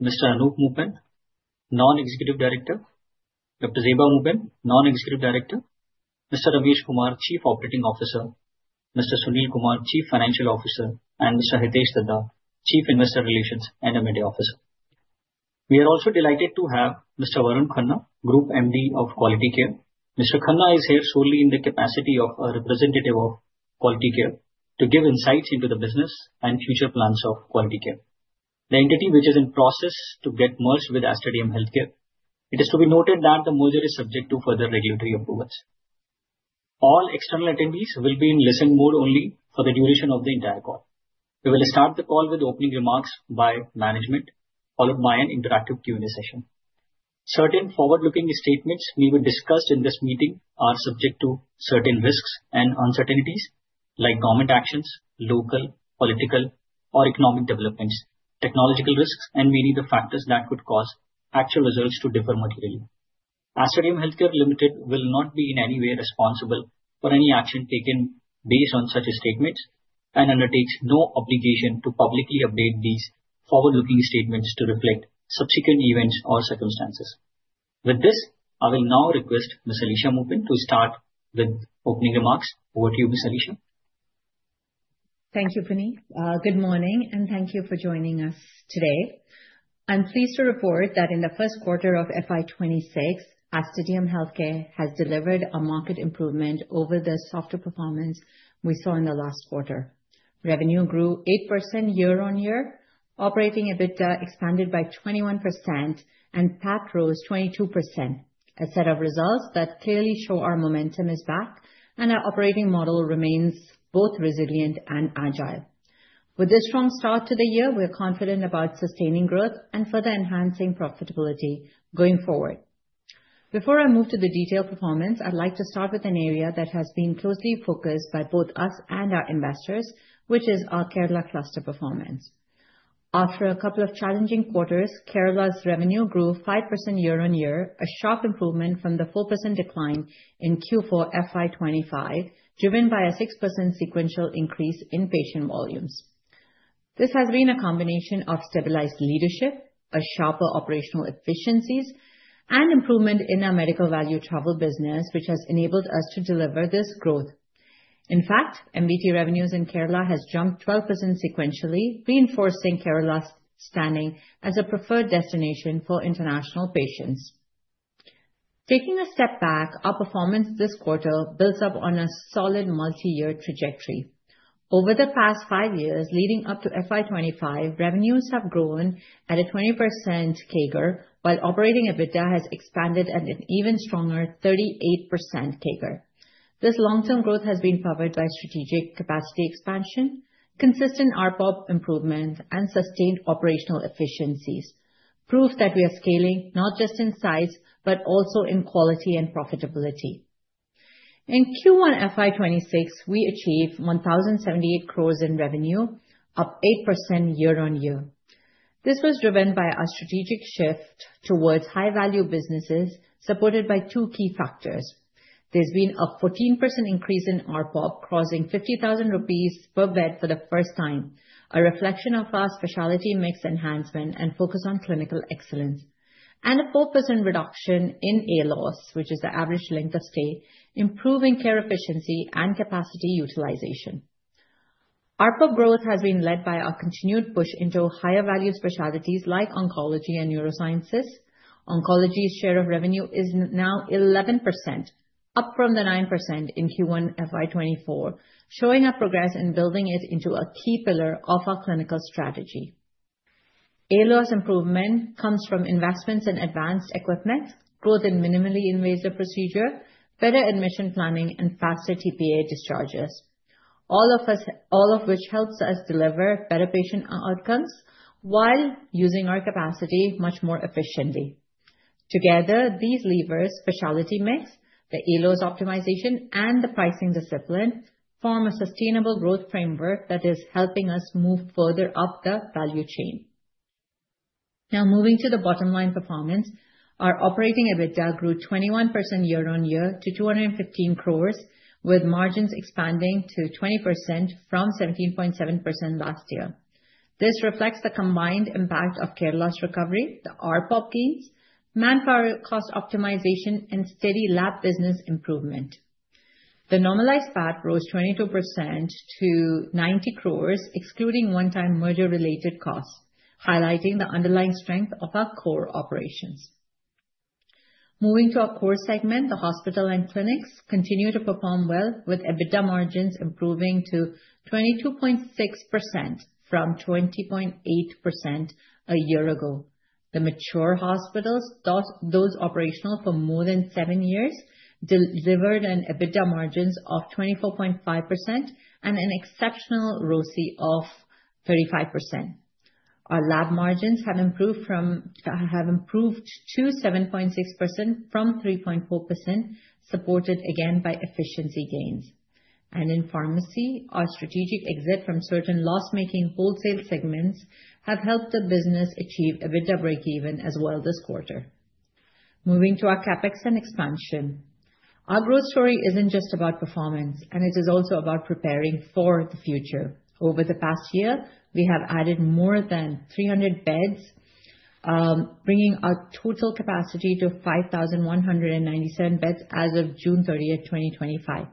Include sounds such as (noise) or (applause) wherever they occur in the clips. Mr. Anoop Moopen, Non-Executive Director. Dr. Zeba Moopen, Non-Executive Director. Mr. Ramesh Kumar, Chief Operating Officer. Mr. Sunil Kumar, Chief Financial Officer. Mr. Hitesh Dhaddha, Chief Investor Relations and Media Officer. We are also delighted to have Mr. Varun Khanna, Group MD of Quality CARE. Mr. Khanna is here solely in the capacity of a representative Quality CARE to give insights into the business and future plans of Quality CARE, the entity which is in process to get merged with Aster DM Healthcare. It is to be noted that the merger is subject to further regulatory approvals. All external attendees will be in listen mode only for the duration of the entire call. We will start the call with opening remarks by management, followed by an interactive Q&A session. Certain forward-looking statements we will discuss in this meeting are subject to certain risks and uncertainties, like government actions, local political or economic developments, technological risks, and many other factors that could cause actual results to differ materially. Aster DM Healthcare will not be in any way responsible for any action taken based on such statements and undertakes no obligation to publicly update these forward-looking statements to reflect subsequent events or circumstances. With this, I will now request Ms. Alisha Moopen to start with opening remarks. Over to you, Ms. Alisha. Thank you, Puneet. Good morning, and thank you for joining us today. I'm pleased to report that in the first quarter of FY 2026, Aster DM Healthcare has delivered a marked improvement over the softer performance we saw in the last quarter. Revenue grew 8% year on year, operating EBITDA expanded by 21%, and PAT rose 22%, a set of results that clearly show our momentum is back and our operating model remains both resilient and agile. With this strong start to the year, we are confident about sustaining growth and further enhancing profitability going forward. Before I move to the detailed performance, I'd like to start with an area that has been closely focused on by both us and our investors, which is our Kerala cluster performance. After a couple of challenging quarters, Kerala's revenue grew 5% year on year, a sharp improvement from the 4% decline in Q4 FY 2025, driven by a 6% sequential increase in patient volumes. This has been a combination of stabilized leadership, sharper operational efficiencies, and improvement in our medical value travel business, which has enabled us to deliver this growth. In fact, medical value travel revenues in Kerala have jumped 12% sequentially, reinforcing Kerala's standing as a preferred destination for international patients. Taking a step back, our performance this quarter builds up on a solid multi-year trajectory. Over the past five years, leading up to FY 2025, revenues have grown at a 20% CAGR, while operating EBITDA has expanded at an even stronger 38% CAGR. This long-term growth has been powered by strategic capacity expansion, consistent ARPOB improvement, and sustained operational efficiencies, proof that we are scaling not just in size but also in quality and profitability. In Q1 FY 2026, we achieved 1,078 crore in revenue, up 8% year on year. This was driven by our strategic shift towards high-value businesses supported by two key factors. There's been a 14% increase in ARPOB, crossing 50,000 rupees per bed for the first time, a reflection of our specialty mix enhancement and focus on clinical excellence, and a 4% reduction in ALOS, which is the average length of stay, improving care efficiency and capacity utilization. ARPOB growth has been led by our continued push into higher-value specialties like oncology and neurosciences. Oncology's share of revenue is now 11%, up from 9% in Q1 FY 2024, showing our progress in building it into a key pillar of our clinical strategy. ALOS improvement comes from investments in advanced equipment, growth in minimally invasive procedure, better admission planning, and faster TPA discharges, all of which help us deliver better patient outcomes while using our capacity much more efficiently. Together, these levers, specialty mix, the ALOS optimization, and the pricing discipline form a sustainable growth framework that is helping us move further up the value chain. Now, moving to the bottom line performance, our operating EBITDA grew 21% year on year to 215 crore, with margins expanding to 20% from 17.7% last year. This reflects the combined impact of Kerala's recovery, the ARPOB gains, manpower cost optimization, and steady lab business improvement. The normalized PAT rose 22% to 90 crore, excluding one-time merger-related costs, highlighting the underlying strength of our core operations. Moving to our core segment, the hospital and clinics continue to perform well, with EBITDA margins improving to 22.6% from 20.8% a year ago. The mature hospitals, those operational for more than seven years, delivered an EBITDA margin of 24.5% and an exceptional ROCE of 35%. Our lab margins have improved to 7.6% from 3.4%, supported again by efficiency gains. In pharmacy, our strategic exit from certain loss-making wholesale segments has helped the business achieve EBITDA breakeven as well this quarter. Moving to our CapEx and expansion, our growth story isn't just about performance, it is also about preparing for the future. Over the past year, we have added more than 300 beds, bringing our total capacity to 5,197 beds as of June 30th 2025.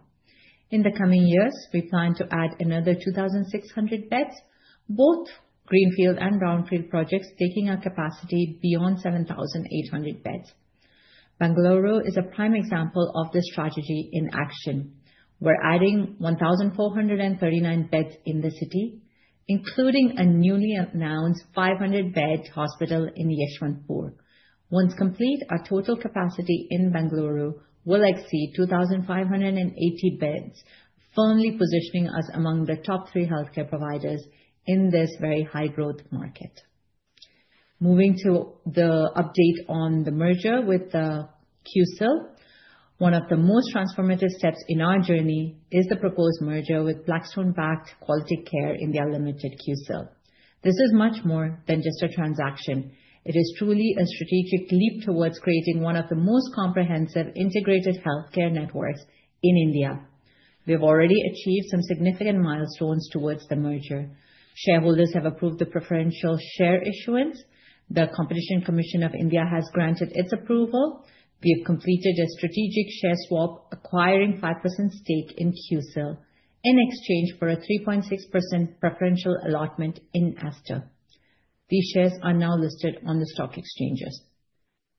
In the coming years, we plan to add another 2,600 beds, both greenfield and brownfield projects, taking our capacity beyond 7,800 beds. Bengaluru is a prime example of this strategy in action. We're adding 1,439 beds in the city, including a newly announced 500-bed hospital in Yeshwanthpur. Once complete, our total capacity in Bengaluru will exceed 2,580 beds, firmly positioning us among the top three healthcare providers in this very high-growth market. Moving to the update on the merger with QCIL, one of the most transformative steps in our journey is the proposed merger with Blackstone-backed Quality CARE India Limited, QCIL. This is much more than just a transaction. It is truly a strategic leap towards creating one of the most comprehensive integrated healthcare networks in India. We've already achieved some significant milestones towards the merger. Shareholders have approved the preferential share issuance. The Competition Commission of India has granted its approval. We've completed a strategic share swap, acquiring a 5% stake in QCIL in exchange for a 3.6% preferential allotment in Aster. These shares are now listed on the stock exchanges.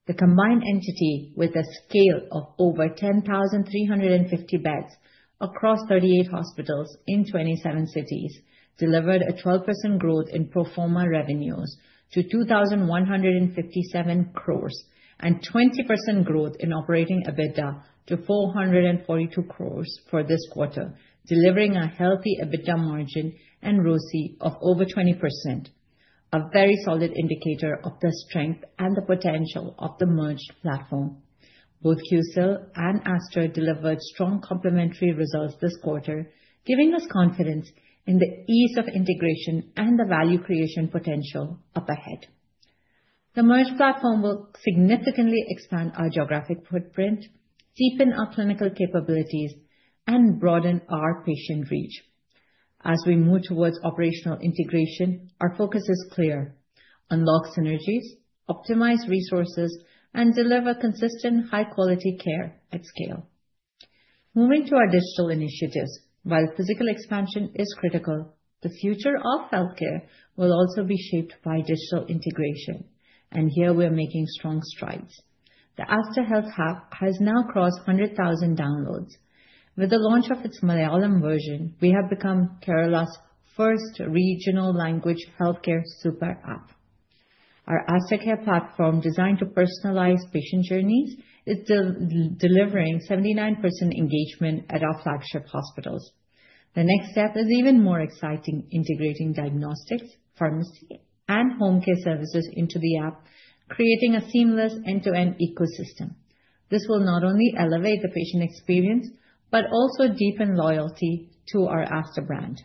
The combined entity, with a scale of over 10,350 beds across 38 hospitals in 27 cities, delivered a 12% growth in pro forma revenues to 2,157 crore and a 20% growth in operating EBITDA to 442 crore for this quarter, delivering a healthy EBITDA margin and ROCE of over 20%, a very solid indicator of the strength and the potential of the merged platform. Both QCIL and Aster delivered strong complementary results this quarter, giving us confidence in the ease of integration and the value creation potential up ahead. The merged platform will significantly expand our geographic footprint, deepen our clinical capabilities, and broaden our patient reach. As we move towards operational integration, our focus is clear: unlock synergies, optimize resources, and deliver consistent, high-quality care at scale. Moving to our digital initiatives, while physical expansion is critical, the future of healthcare will also be shaped by digital integration, and here we are making strong strides. The Aster Health app has now crossed 100,000 downloads. With the launch of its Malayalam version, we have become Kerala's first regional language healthcare super app. Our AsterCare platform, designed to personalize patient journeys, is delivering 79% engagement at our flagship hospitals. The next step is even more exciting, integrating diagnostics, pharmacy, and home care services into the app, creating a seamless end-to-end ecosystem. This will not only elevate the patient experience but also deepen loyalty to our Aster brand.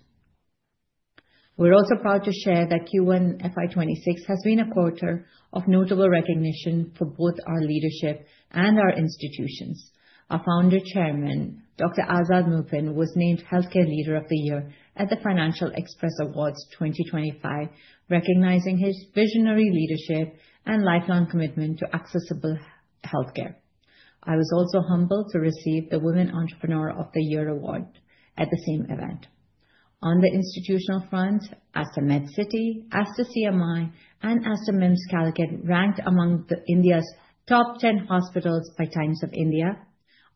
We're also proud to share that Q1 FY 2026 has been a quarter of notable recognition for both our leadership and our institutions. Our Founder Chairman, Dr. Azad Moopen, was named Healthcare Leader of the Year at the Financial Express Awards 2025, recognizing his visionary leadership and lifelong commitment to accessible healthcare. I was also humbled to receive the Women Entrepreneur of the Year award at the same event. On the institutional front, Aster MedCity, Aster CMI, and Aster MIMS Calicut ranked among India's Top 10 hospitals by Times of India,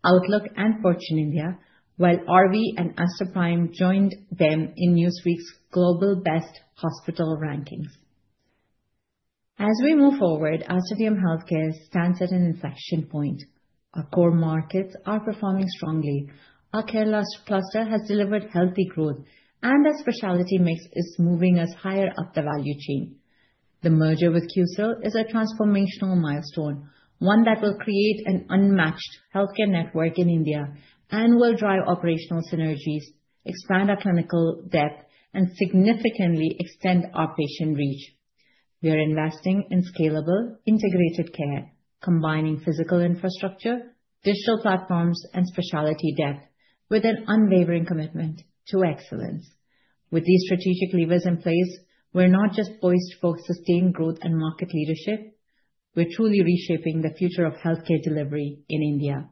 Outlook, and Fortune India, while RV and Aster Prime joined them in Newsweek's Global Best Hospital Rankings. As we move forward, Aster DM Healthcare stands at an inflection point. Our core markets are performing strongly. Our Kerala cluster has delivered healthy growth, and that specialty mix is moving us higher up the value chain. The merger with QCIL is a transformational milestone, one that will create an unmatched healthcare network in India and will drive operational synergies, expand our clinical depth, and significantly extend our patient reach. We are investing in scalable, integrated care, combining physical infrastructure, digital platforms, and specialty depth with an unwavering commitment to excellence. With these strategic levers in place, we're not just poised for sustained growth and market leadership, we're truly reshaping the future of healthcare delivery in India.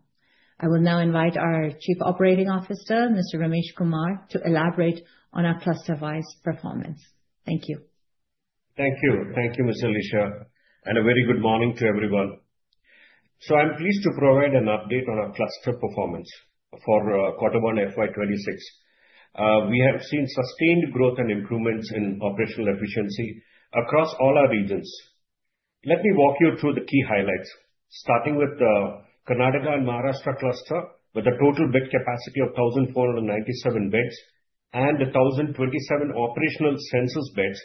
I will now invite our Chief Operating Officer, Mr. Ramesh Kumar, to elaborate on our cluster-wise performance. Thank you. Thank you. Thank you, Ms. Alisha, and a very good morning to everyone. I'm pleased to provide an update on our cluster performance for quarter one FY 2026. We have seen sustained growth and improvements in operational efficiency across all our regions. Let me walk you through the key highlights, starting with the Karnataka and Maharashtra cluster, with a total bed capacity of 1,497 beds and 1,027 operational census beds.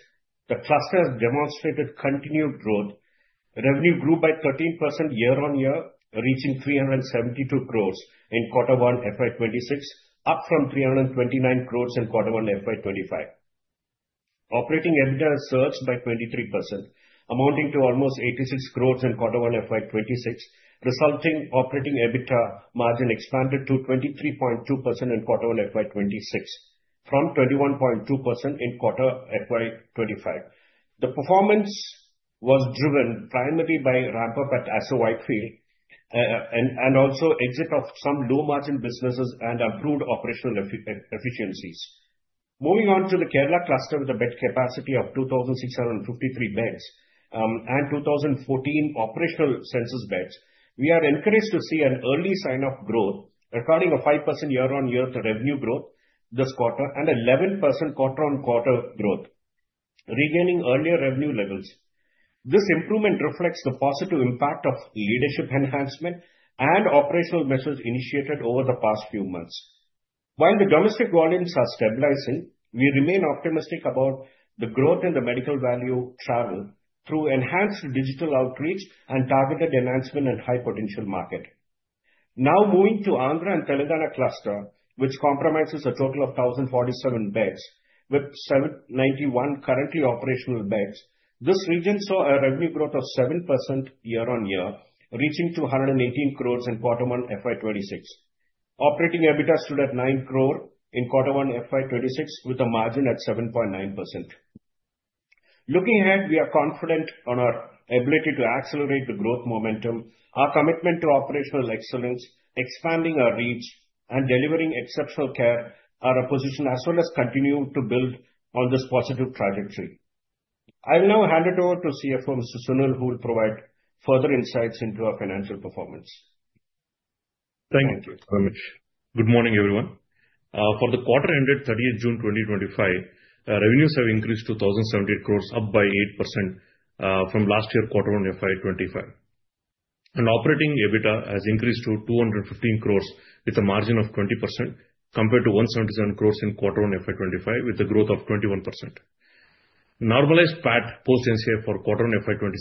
The cluster has demonstrated continued growth. Revenue grew by 13% year on year, reaching 372 crores in quarter one FY 2026, up from 329 crores in quarter one FY 2025. Operating EBITDA surged by 23%, amounting to almost 86 crores in quarter one FY 2026, resulting in operating EBITDA margin expanded to 23.2% in quarter one FY 2026, from 21.2% in quarter one FY 2025. The performance was driven primarily by ramp-up at Aster Whitefield and also exit of some low-margin businesses and improved operational efficiencies. Moving on to the Kerala cluster with a bed capacity of 2,653 beds and 2,014 operational census beds, we are encouraged to see an early sign of growth, recording a 5% year-on-year revenue growth this quarter and 11% quarter-on-quarter growth, regaining earlier revenue levels. This improvement reflects the positive impact of leadership enhancement and operational measures initiated over the past few months. While the domestic volumes are stabilizing, we remain optimistic about the growth in the Medical Value Travel through enhanced digital outreach and targeted enhancement in the high-potential market. Now moving to the Andhra and Telangana cluster, which comprises a total of 1,047 beds with 791 currently operational beds, this region saw a revenue growth of 7% year-on-year, reaching INR 218 crores in quarter one FY 2026. Operating EBITDA stood at 9 crores in quarter one FY 2026, with a margin at 7.9%. Looking ahead, we are confident on our ability to accelerate the growth momentum. Our commitment to operational excellence, expanding our reach, and delivering exceptional care are our position, as well as continuing to build on this positive trajectory. I will now hand it over to CFO Mr. Sunil, who will provide further insights into our financial performance. Thank you, Ramesh. Good morning, everyone. For the quarter ended 30th June 2025, revenues have increased to 1,078 crores, up by 8% from last year's quarter one FY 2025. Operating EBITDA has increased to 215 crores with a margin of 20% compared to 177 crores in quarter one FY 2025, with a growth of 21%. Normalized PAT post-NCI for quarter one FY 2026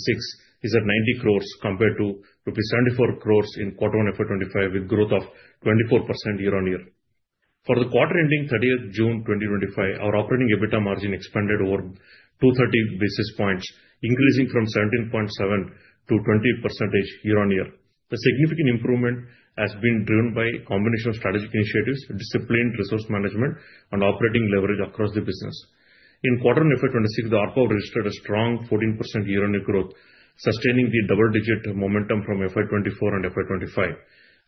is at 90 crores compared to rupees 74 crores in quarter one FY 2025, with a growth of 24% year on year. For the quarter ending 30th June 2025, our operating EBITDA margin expanded over 230 basis points, increasing from 17.7% to 20% year on year. The significant improvement has been driven by a combination of strategic initiatives, disciplined resource management, and operating leverage across the business. In quarter one FY 2026, the ARPOB registered a strong 14% year-on-year growth, sustaining the double-digit momentum from FY 2024 and FY 2025.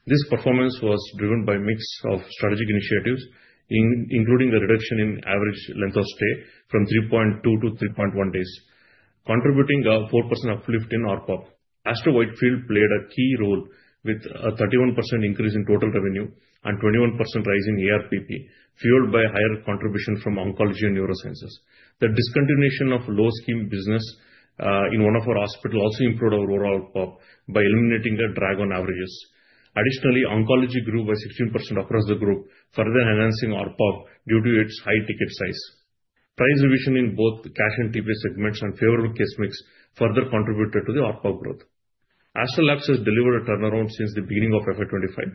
This performance was driven by a mix of strategic initiatives, including a reduction in average length of stay from 3.2 to 3.1 days, contributing to a 4% uplift in ARPOB. Aster Whitefield played a key role, with a 31% increase in total revenue and a 21% rise in ARPP, fueled by a higher contribution from Oncology and Neurosciences. The discontinuation of low-scheme business in one of our hospitals also improved our overall ARPOB by eliminating a drag on averages. Additionally, oncology grew by 16% across the group, further enhancing ARPOB due to its high ticket size. Price revision in both Cash and TPA segments and favorable case mix further contributed to the ARPOB growth. Aster Labs has delivered a turnaround since the beginning of FY 2025,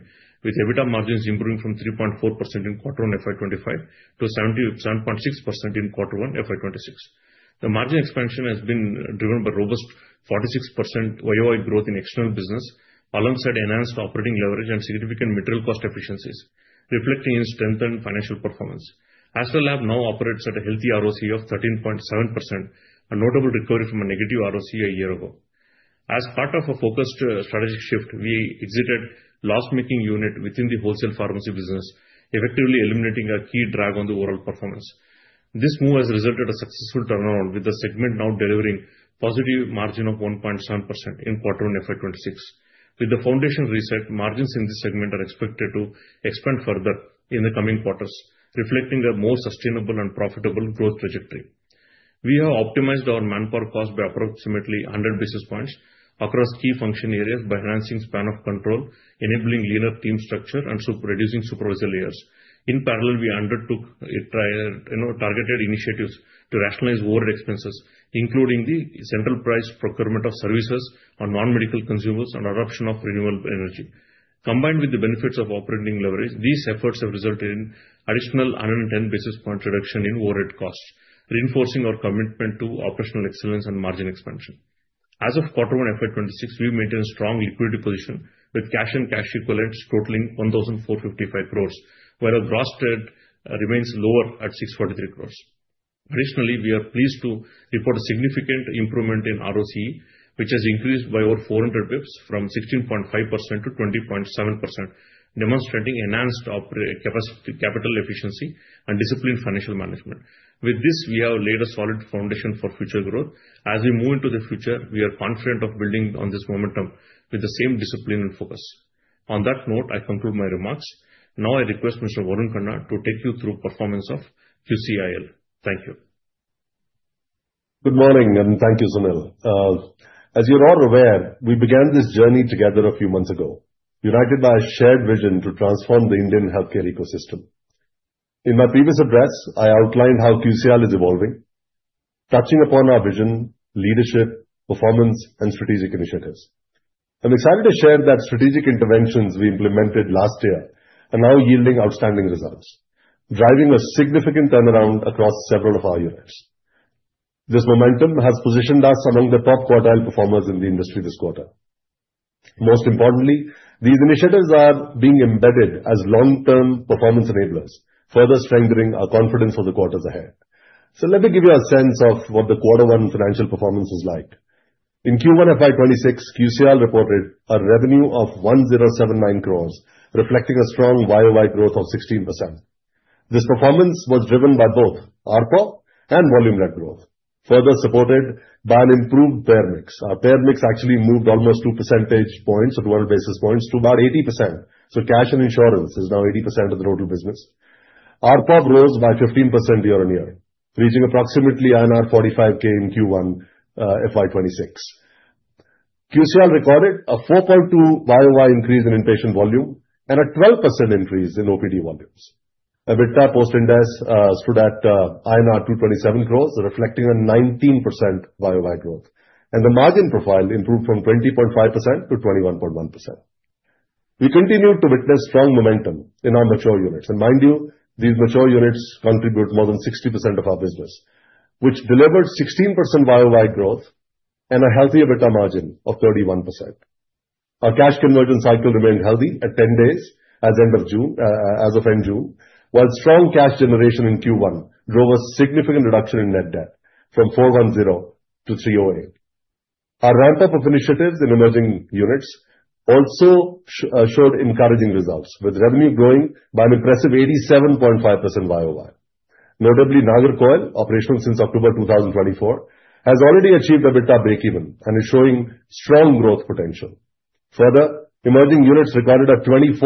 with EBITDA margins improving from 3.4% in quarter one FY 2025 to 7.6% in quarter one FY 2026. The margin expansion has been driven by robust 46% YoY in external business, alongside enhanced operating leverage and significant material cost efficiencies, reflecting in strengthened financial performance. Aster Labs now operates at a healthy ROCE of 13.7%, a notable recovery from a negative ROCE a year ago. As part of a focused strategic shift, we exited a loss-making unit within the wholesale pharmacy business, effectively eliminating a key drag on the overall performance. This move has resulted in a successful turnaround, with the segment now delivering a positive margin of 1.7% in quarter one FY 2026. With the foundation reset, margins in this segment are expected to expand further in the coming quarters, reflecting a more sustainable and profitable growth trajectory. We have optimized our manpower cost by approximately 100 basis points across key function areas by enhancing span of control, enabling leaner team structure, and reducing supervisor layers. In parallel, we undertook targeted initiatives to rationalize overhead expenses, including the central price procurement of services on non-medical consumers and the adoption of renewable energy. Combined with the benefits of operating leverage, these efforts have resulted in an additional 110 basis point reduction in overhead costs, reinforcing our commitment to operational excellence and margin expansion. As of quarter one FY 2026, we maintain a strong liquidity position, with cash and cash equivalents totaling 1,455 crore, while gross trade remains lower at 643 crore. Additionally, we are pleased to report a significant improvement in ROCE, which has increased by over 400 bps from 16.5% to 20.7%, demonstrating enhanced capital efficiency and disciplined financial management. With this, we have laid a solid foundation for future growth. As we move into the future, we are confident of building on this momentum with the same discipline and focus. On that note, I conclude my remarks. Now I request Mr. Varun Khanna to take you through the performance of QCIL. Thank you. Good morning, and thank you, Sunil. As you are all aware, we began this journey together a few months ago, united by a shared vision to transform the Indian healthcare ecosystem. In my previous address, I outlined how QCIL is evolving, touching upon our vision, leadership, performance, and strategic initiatives. I'm excited to share that strategic interventions we implemented last year are now yielding outstanding results, driving a significant turnaround across several of our units. This momentum has positioned us among the top quartile performers in the industry this quarter. Most importantly, these initiatives are being embedded as long-term performance enablers, further strengthening our confidence for the quarters ahead. Let me give you a sense of what the quarter one financial performance was like. In Q1 of FY 2026, QCIL reported a revenue of 1,079 crore, reflecting a strong YoY growth of 16%. This performance was driven by both ARPOB and volume-led growth, further supported by an improved payer mix. Our payer mix actually moved almost 2 percentage points, so 200 basis points, to about 80%. Cash and insurance is now 80% of the total business. ARPOB rose by 15% year on year, reaching approximately INR 45,000 in Q1 FY 2026. QCIL recorded a 4.2% YoY increase in inpatient volume and a 12% increase in OPD volumes. EBITDA post-index stood at INR 227 crore, reflecting a 19% YoY growth, and the margin profile improved from 20.5% to 21.1%. We continued to witness strong momentum in our mature units. These mature units contribute more than 60% of our business, which delivered 16% YoY growth and a healthy EBITDA margin of 31%. Our cash conversion cycle remained healthy at 10 days as of end June, while strong cash generation in Q1 drove a significant reduction in net debt from 410 crore to 308 crore. Our ramp-up of initiatives in Emerging Units also showed encouraging results, with revenue growing by an impressive 87.5% YoY. Notably, Nagercoil, operational since October 2024, has already achieved EBITDA breakeven and is showing strong growth potential. Further, Emerging Units recorded a 24%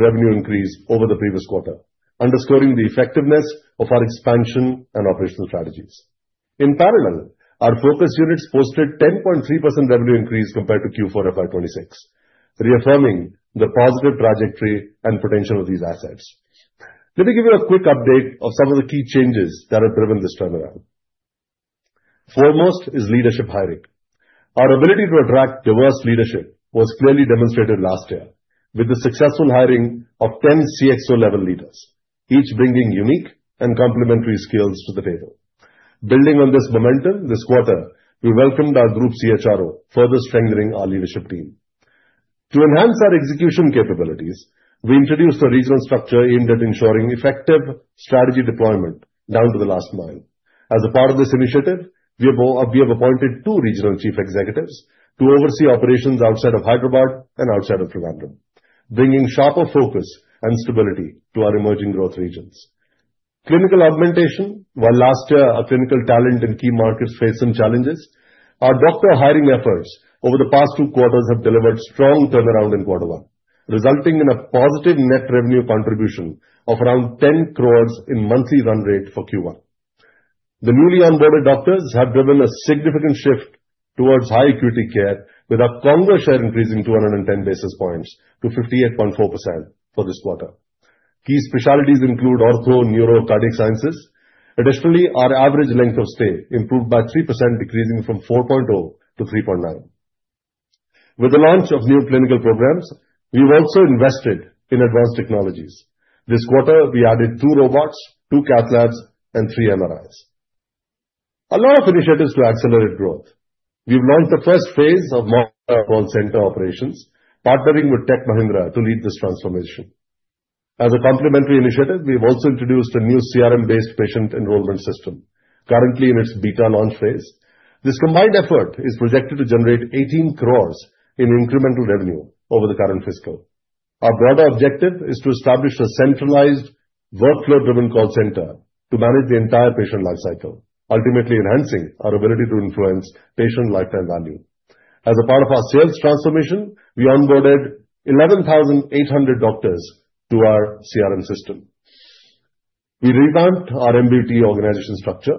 revenue increase over the previous quarter, underscoring the effectiveness of our expansion and operational strategies. In parallel, our Focus Units posted a 10.3% revenue increase compared to Q4 FY 2026, reaffirming the positive trajectory and potential of these assets. Let me give you a quick update of some of the key changes that have driven this turnaround. Foremost is leadership hiring. Our ability to attract diverse leadership was clearly demonstrated last year with the successful hiring of 10 CXO-level leaders, each bringing unique and complementary skills to the table. Building on this momentum, this quarter, we welcomed our Group CHRO, further strengthening our leadership team. To enhance our execution capabilities, we introduced a regional structure aimed at ensuring effective strategy deployment down to the last mile. As a part of this initiative, we have appointed two Regional Chief Executives to oversee operations outside of Hyderabad and outside of Trivandrum, bringing sharper focus and stability to our emerging growth regions. Clinical augmentation, while last year our clinical talent in key markets faced some challenges, our doctor hiring efforts over the past two quarters have delivered strong turnaround in quarter one, resulting in a positive net revenue contribution of around 10 crore in monthly run rate for Q1. The newly onboarded doctors have driven a significant shift towards high-acuity care, with our converse share increasing 210 basis points to 58.4% for this quarter. Key specialties include ortho, neuro, and cardiac sciences. Additionally, our average length of stay improved by 3%, decreasing from 4.0 to 3.9. With the launch of new clinical programs, we've also invested in advanced technologies. This quarter, we added two robots, two cath labs, and three MRIs. A lot of initiatives to accelerate growth. We've launched the first phase of Mock Call Center Operations, partnering with Tech Mahindra to lead this transformation. As a complementary initiative, we've also introduced a new CRM-based patient enrollment system, currently in its beta launch phase. This combined effort is projected to generate 18 crore in incremental revenue over the current fiscal. Our broader objective is to establish a centralized, workflow-driven call center to manage the entire patient lifecycle, ultimately enhancing our ability to influence patient lifetime value. As a part of our sales transformation, we onboarded 11,800 doctors to our CRM system. We revamped our MVT organization structure,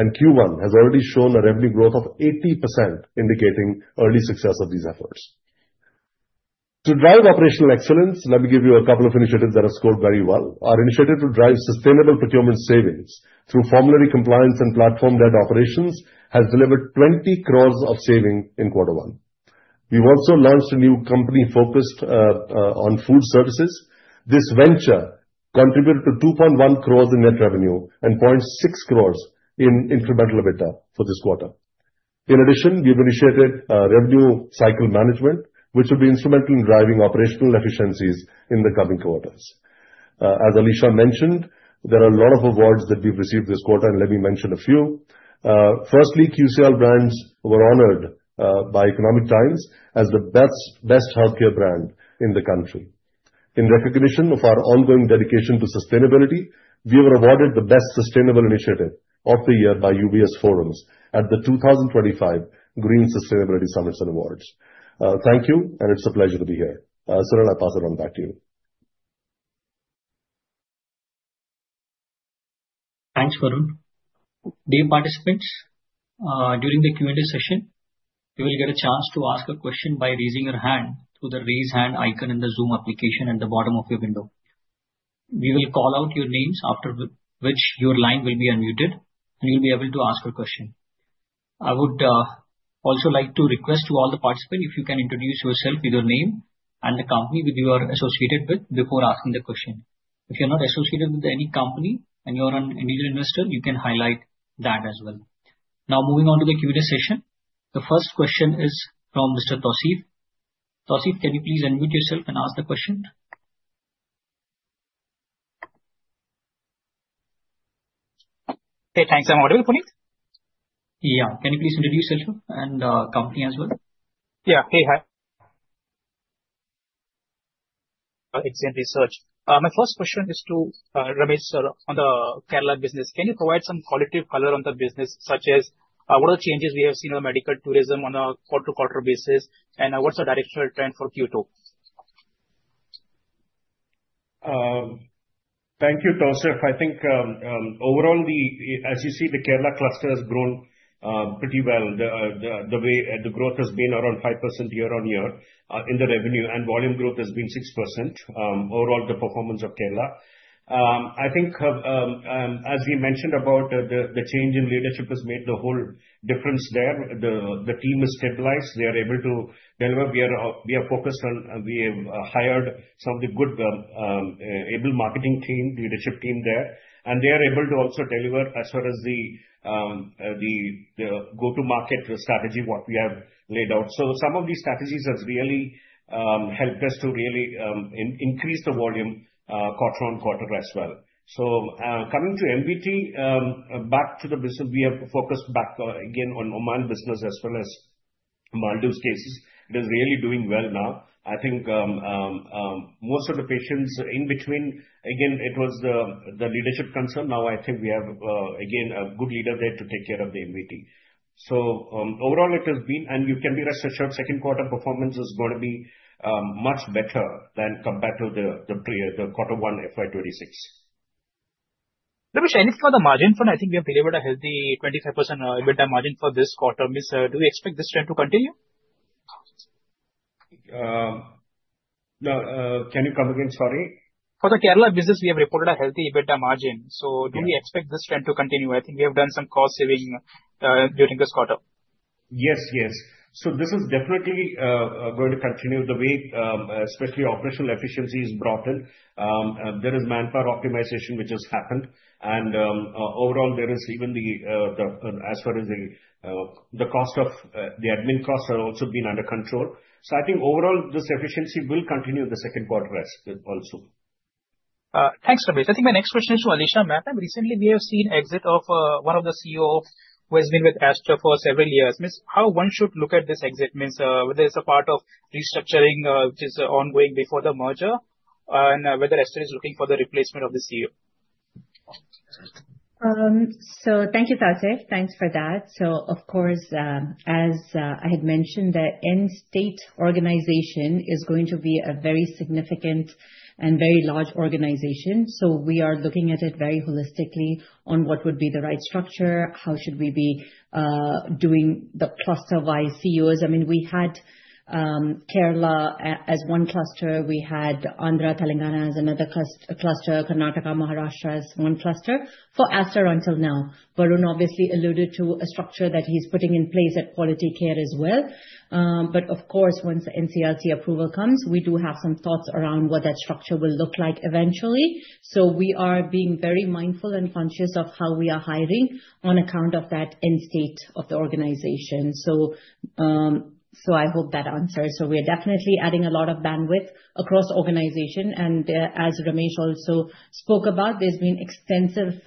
and Q1 has already shown a revenue growth of 80%, indicating early success of these efforts. To drive operational excellence, let me give you a couple of initiatives that have scored very well. Our initiative to drive sustainable procurement savings through formulary compliance and platform-led operations has delivered 20 crore of saving in quarter one. We've also launched a new company focused on food services. This venture contributed to 2.1 crore in net revenue and 0.6 crore in incremental EBITDA for this quarter. In addition, we've initiated revenue cycle management, which will be instrumental in driving operational efficiencies in the coming quarters. As Alisha mentioned, there are a lot of awards that we've received this quarter, and let me mention a few. Firstly, QCIL brands were honored by Economic Times as the best healthcare brand in the country. In recognition of our ongoing dedication to sustainability, we were awarded the best sustainable initiative of the year by UBS Forums at the 2025 Green Sustainability Summits and Awards. Thank you, and it's a pleasure to be here. I pass it on back to you. Thanks, Varun. Dear participants, during the Q&A session, you will get a chance to ask a question by raising your hand through the raise hand icon in the Zoom application at the bottom of your window. We will call out your names, after which your line will be unmuted, and you'll be able to ask your question. I would also like to request to all the participants if you can introduce yourself with your name and the company you are associated with before asking the question. If you're not associated with any company and you're an individual investor, you can highlight that as well. Now, moving on to the Q&A session, the first question is from Mr. Tausif. Tausif, can you please unmute yourself and ask the question? Hey, thanks. I'm audible, Puneet. Yeah, can you please introduce yourself and the company as well? Yeah. Hey, hi. Excellent research. My first question is to Ramesh, sir, the Kerala business. Can you provide some qualitative color on the business, such as what are the changes we have seen in the medical tourism on a quarter-to-quarter basis, and what's the directional trend for Q2? Thank you, Tausif. I think overall, as you see, the Kerala cluster has grown pretty well. The way the growth has been around 5% year on year in the revenue, and volume growth has been 6% overall, the performance of Kerala. I think, as we mentioned about the change in leadership, has made the whole difference there. The team is stabilized. They are able to deliver. We are focused on we have hired some of the good, able marketing team, leadership team there, and they are able to also deliver as far as the go-to-market strategy, what we have laid out. Some of these strategies have really helped us to really increase the volume quarter on quarter as well. Coming to MVT, back to the business, we have focused back again on Oman business as well as Maldives cases. It is really doing well now. I think most of the patients in between, again, it was the leadership concern. Now I think we have, again, a good leader there to take care of the MVT. Overall, it has been, and you can be rest assured, second quarter performance is going to be much better than compared to the quarter one FY 2026. Ramesh, I look for the margin for that. I think we have delivered a healthy 25% EBITDA margin for this quarter. Do we expect this trend to continue? No. Can you come again? Sorry. For the Kerala business, we have reported a healthy EBITDA margin. Do we expect this trend to continue? I think we have done some cost-saving during this quarter. Yes, yes. This is definitely going to continue the way, especially operational efficiency is brought in. There is manpower optimization, which has happened, and overall, even as far as the admin costs, have also been under control. I think overall this efficiency will continue in the second quarter as well. Thanks, Ramesh. I think my next question is to Alisha. Recently, we have seen the exit of one of the CEOs who has been with Aster for several years. How one should look at this exit? Means whether it's a part of restructuring, which is ongoing before the merger, and whether Aster is looking for the replacement of the CEO. Thank you, Tausif. Thanks for that. As I had mentioned, the in-state organization is going to be a very significant and very large organization. We are looking at it very holistically on what would be the right structure, how should we be doing the cluster-wise CEOs. I mean, we had Kerala as one cluster. We had Andhra, Telangana as another cluster, Karnataka, Maharashtra as one cluster for Aster until now. Varun obviously alluded to a structure that he's putting in place at Quality CARE as well. Once the NCLT approval comes, we do have some thoughts around what that structure will look like eventually. We are being very mindful and conscious of how we are hiring on account of that in-state of the organization. I hope that answers. We are definitely adding a lot of bandwidth across organization. As Ramesh also spoke about, there's been extensive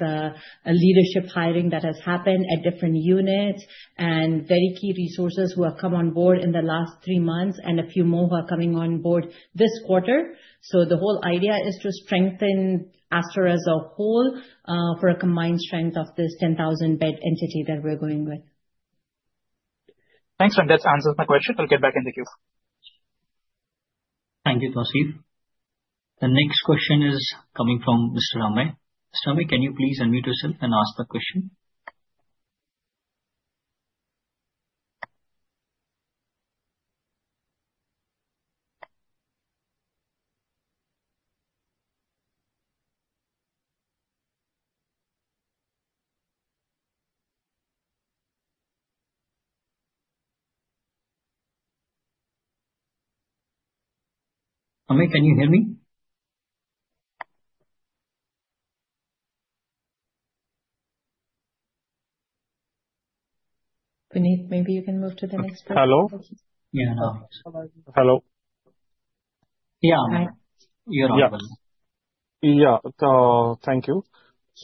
leadership hiring that has happened at different units and very key resources who have come on board in the last three months and a few more who are coming on board this quarter. The whole idea is to strengthen Aster as a whole for a combined strength of this 10,000-bed entity that we're going with. Thanks. That answers my question. I'll get back in the queue. Thank you, Tausif. The next question is coming from Mr. Amey. Mr. Amey, can you please unmute yourself and ask the question? Mr. Amey, can you hear me? Puneet, maybe you can move to the next question. Hello. Thank you.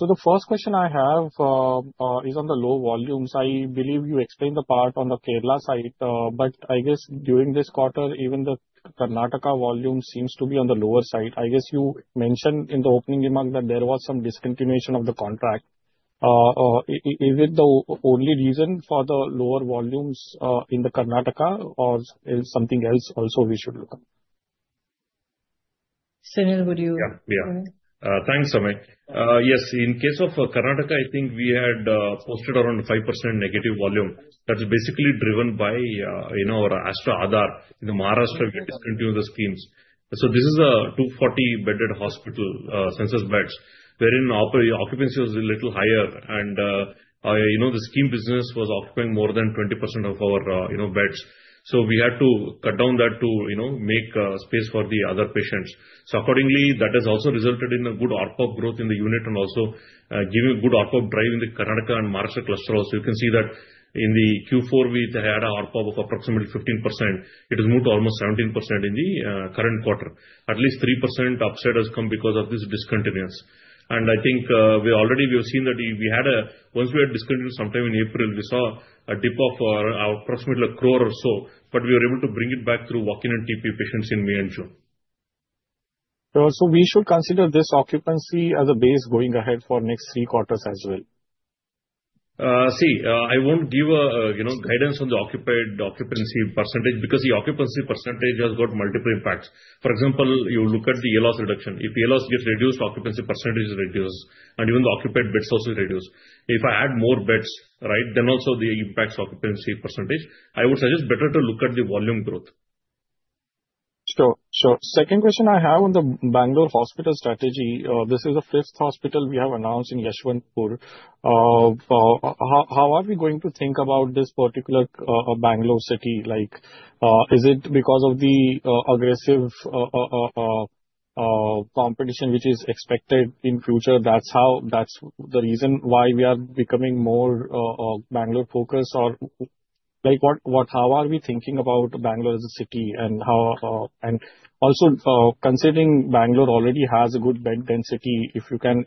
The first question I have is on the low volumes. I believe you explained the part on the Kerala side, but I guess during this quarter, even the Karnataka volume seems to be on the lower side. I guess you mentioned in the opening remark that there was some discontinuation of the contract. Is it the only reason for the lower volumes in Karnataka, or is something else also we should look at? Sunil, would you? Yeah. Yeah. Thanks, Amey. Yes. In case of Karnataka, I think we had posted around 5% negative volume. That's basically driven by our Aster Aadhaar. In Maharashtra, we discontinued the schemes. This is a 240-bedded hospital census beds, wherein the occupancy was a little higher. You know the scheme business was occupying more than 20% of our beds. We had to cut down that to make space for the other patients. Accordingly, that has also resulted in a good ARPOB growth in the unit and also giving a good ARPOB drive in the Karnataka and Maharashtra cluster also. You can see that in Q4, we had a ARPOB of approximately 15%. It has moved to almost 17% in the current quarter. At least 3% upside has come because of this discontinuance. I think we already have seen that once we had discontinued sometime in April, we saw a dip of approximately 1 crore or so, but we were able to bring it back through walk-in and TPA patients in May and June. We should consider this occupancy as a base going ahead for the next three quarters as well. See, I won't give a guidance on the occupancy percentage because the occupancy percentage has got multiple impacts. For example, you look at the ALOS reduction. If the ALOS gets reduced, occupancy percentage is reduced, and even the occupied beds also reduce. If I add more beds, right, then also that impacts occupancy percentage. I would suggest better to look at the volume growth. Sure. Second question I have on the Bangalore hospital strategy. This is the fifth hospital we have announced in Yeshwanthpur. How are we going to think about this particular Bangalore city? Is it because of the aggressive competition which is expected in the future? That's the reason why we are becoming more Bangalore-focused, or how are we thinking about Bangalore as a city? Also, considering Bangalore already has a good bed density, if you can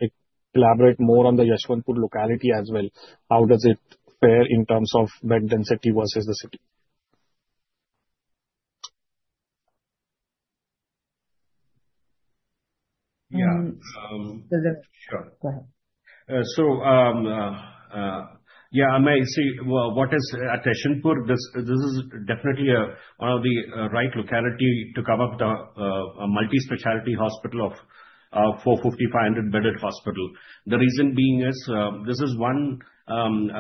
elaborate more on the Yeshwanthpur locality as well, how does it fare in terms of bed density versus the city? Yeah, I may see what is Yeshwanthpur. This is definitely one of the right localities to come up with a multi-specialty hospital of 500-bedded hospital. The reason being is this is one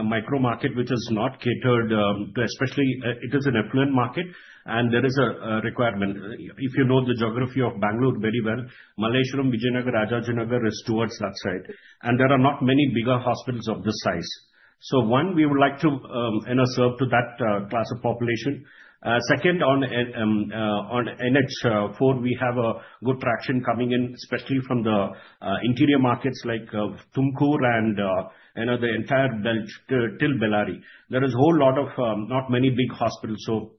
micro market which is not catered to, especially it is an affluent market, and there is a requirement. If you know the geography of Bangalore very well, Malleshwaram, Vijayanagar, Rajajinagar is towards that side, and there are not many bigger hospitals of this size. We would like to serve that class of population. On NH4, we have a good traction coming in, especially from the interior markets like Tumkur and the entire till Bellary. There is a whole lot of not many big hospitals. Those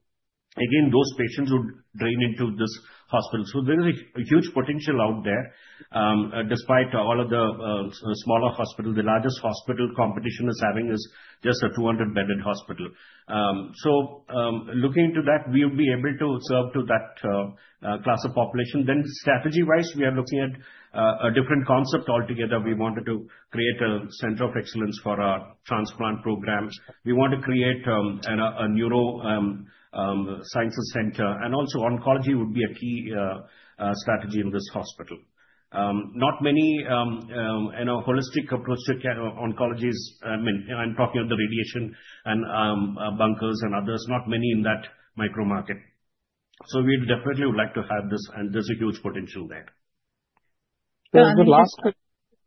patients would drain into this hospital. There is a huge potential out there. Despite all of the smaller hospitals, the largest hospital competition is having is just a 200-bedded hospital. Looking into that, we would be able to serve that class of population. Strategy-wise, we are looking at a different concept altogether. We wanted to create a center of excellence for our transplant programs. We want to create a neurosciences center, and also, oncology would be a key strategy in this hospital. Not many in a holistic approach to oncology is, I mean, I'm talking of the radiation and bunkers and others. Not many in that micro market. We definitely would like to have this, and there's a huge potential there. Yeah, the last question.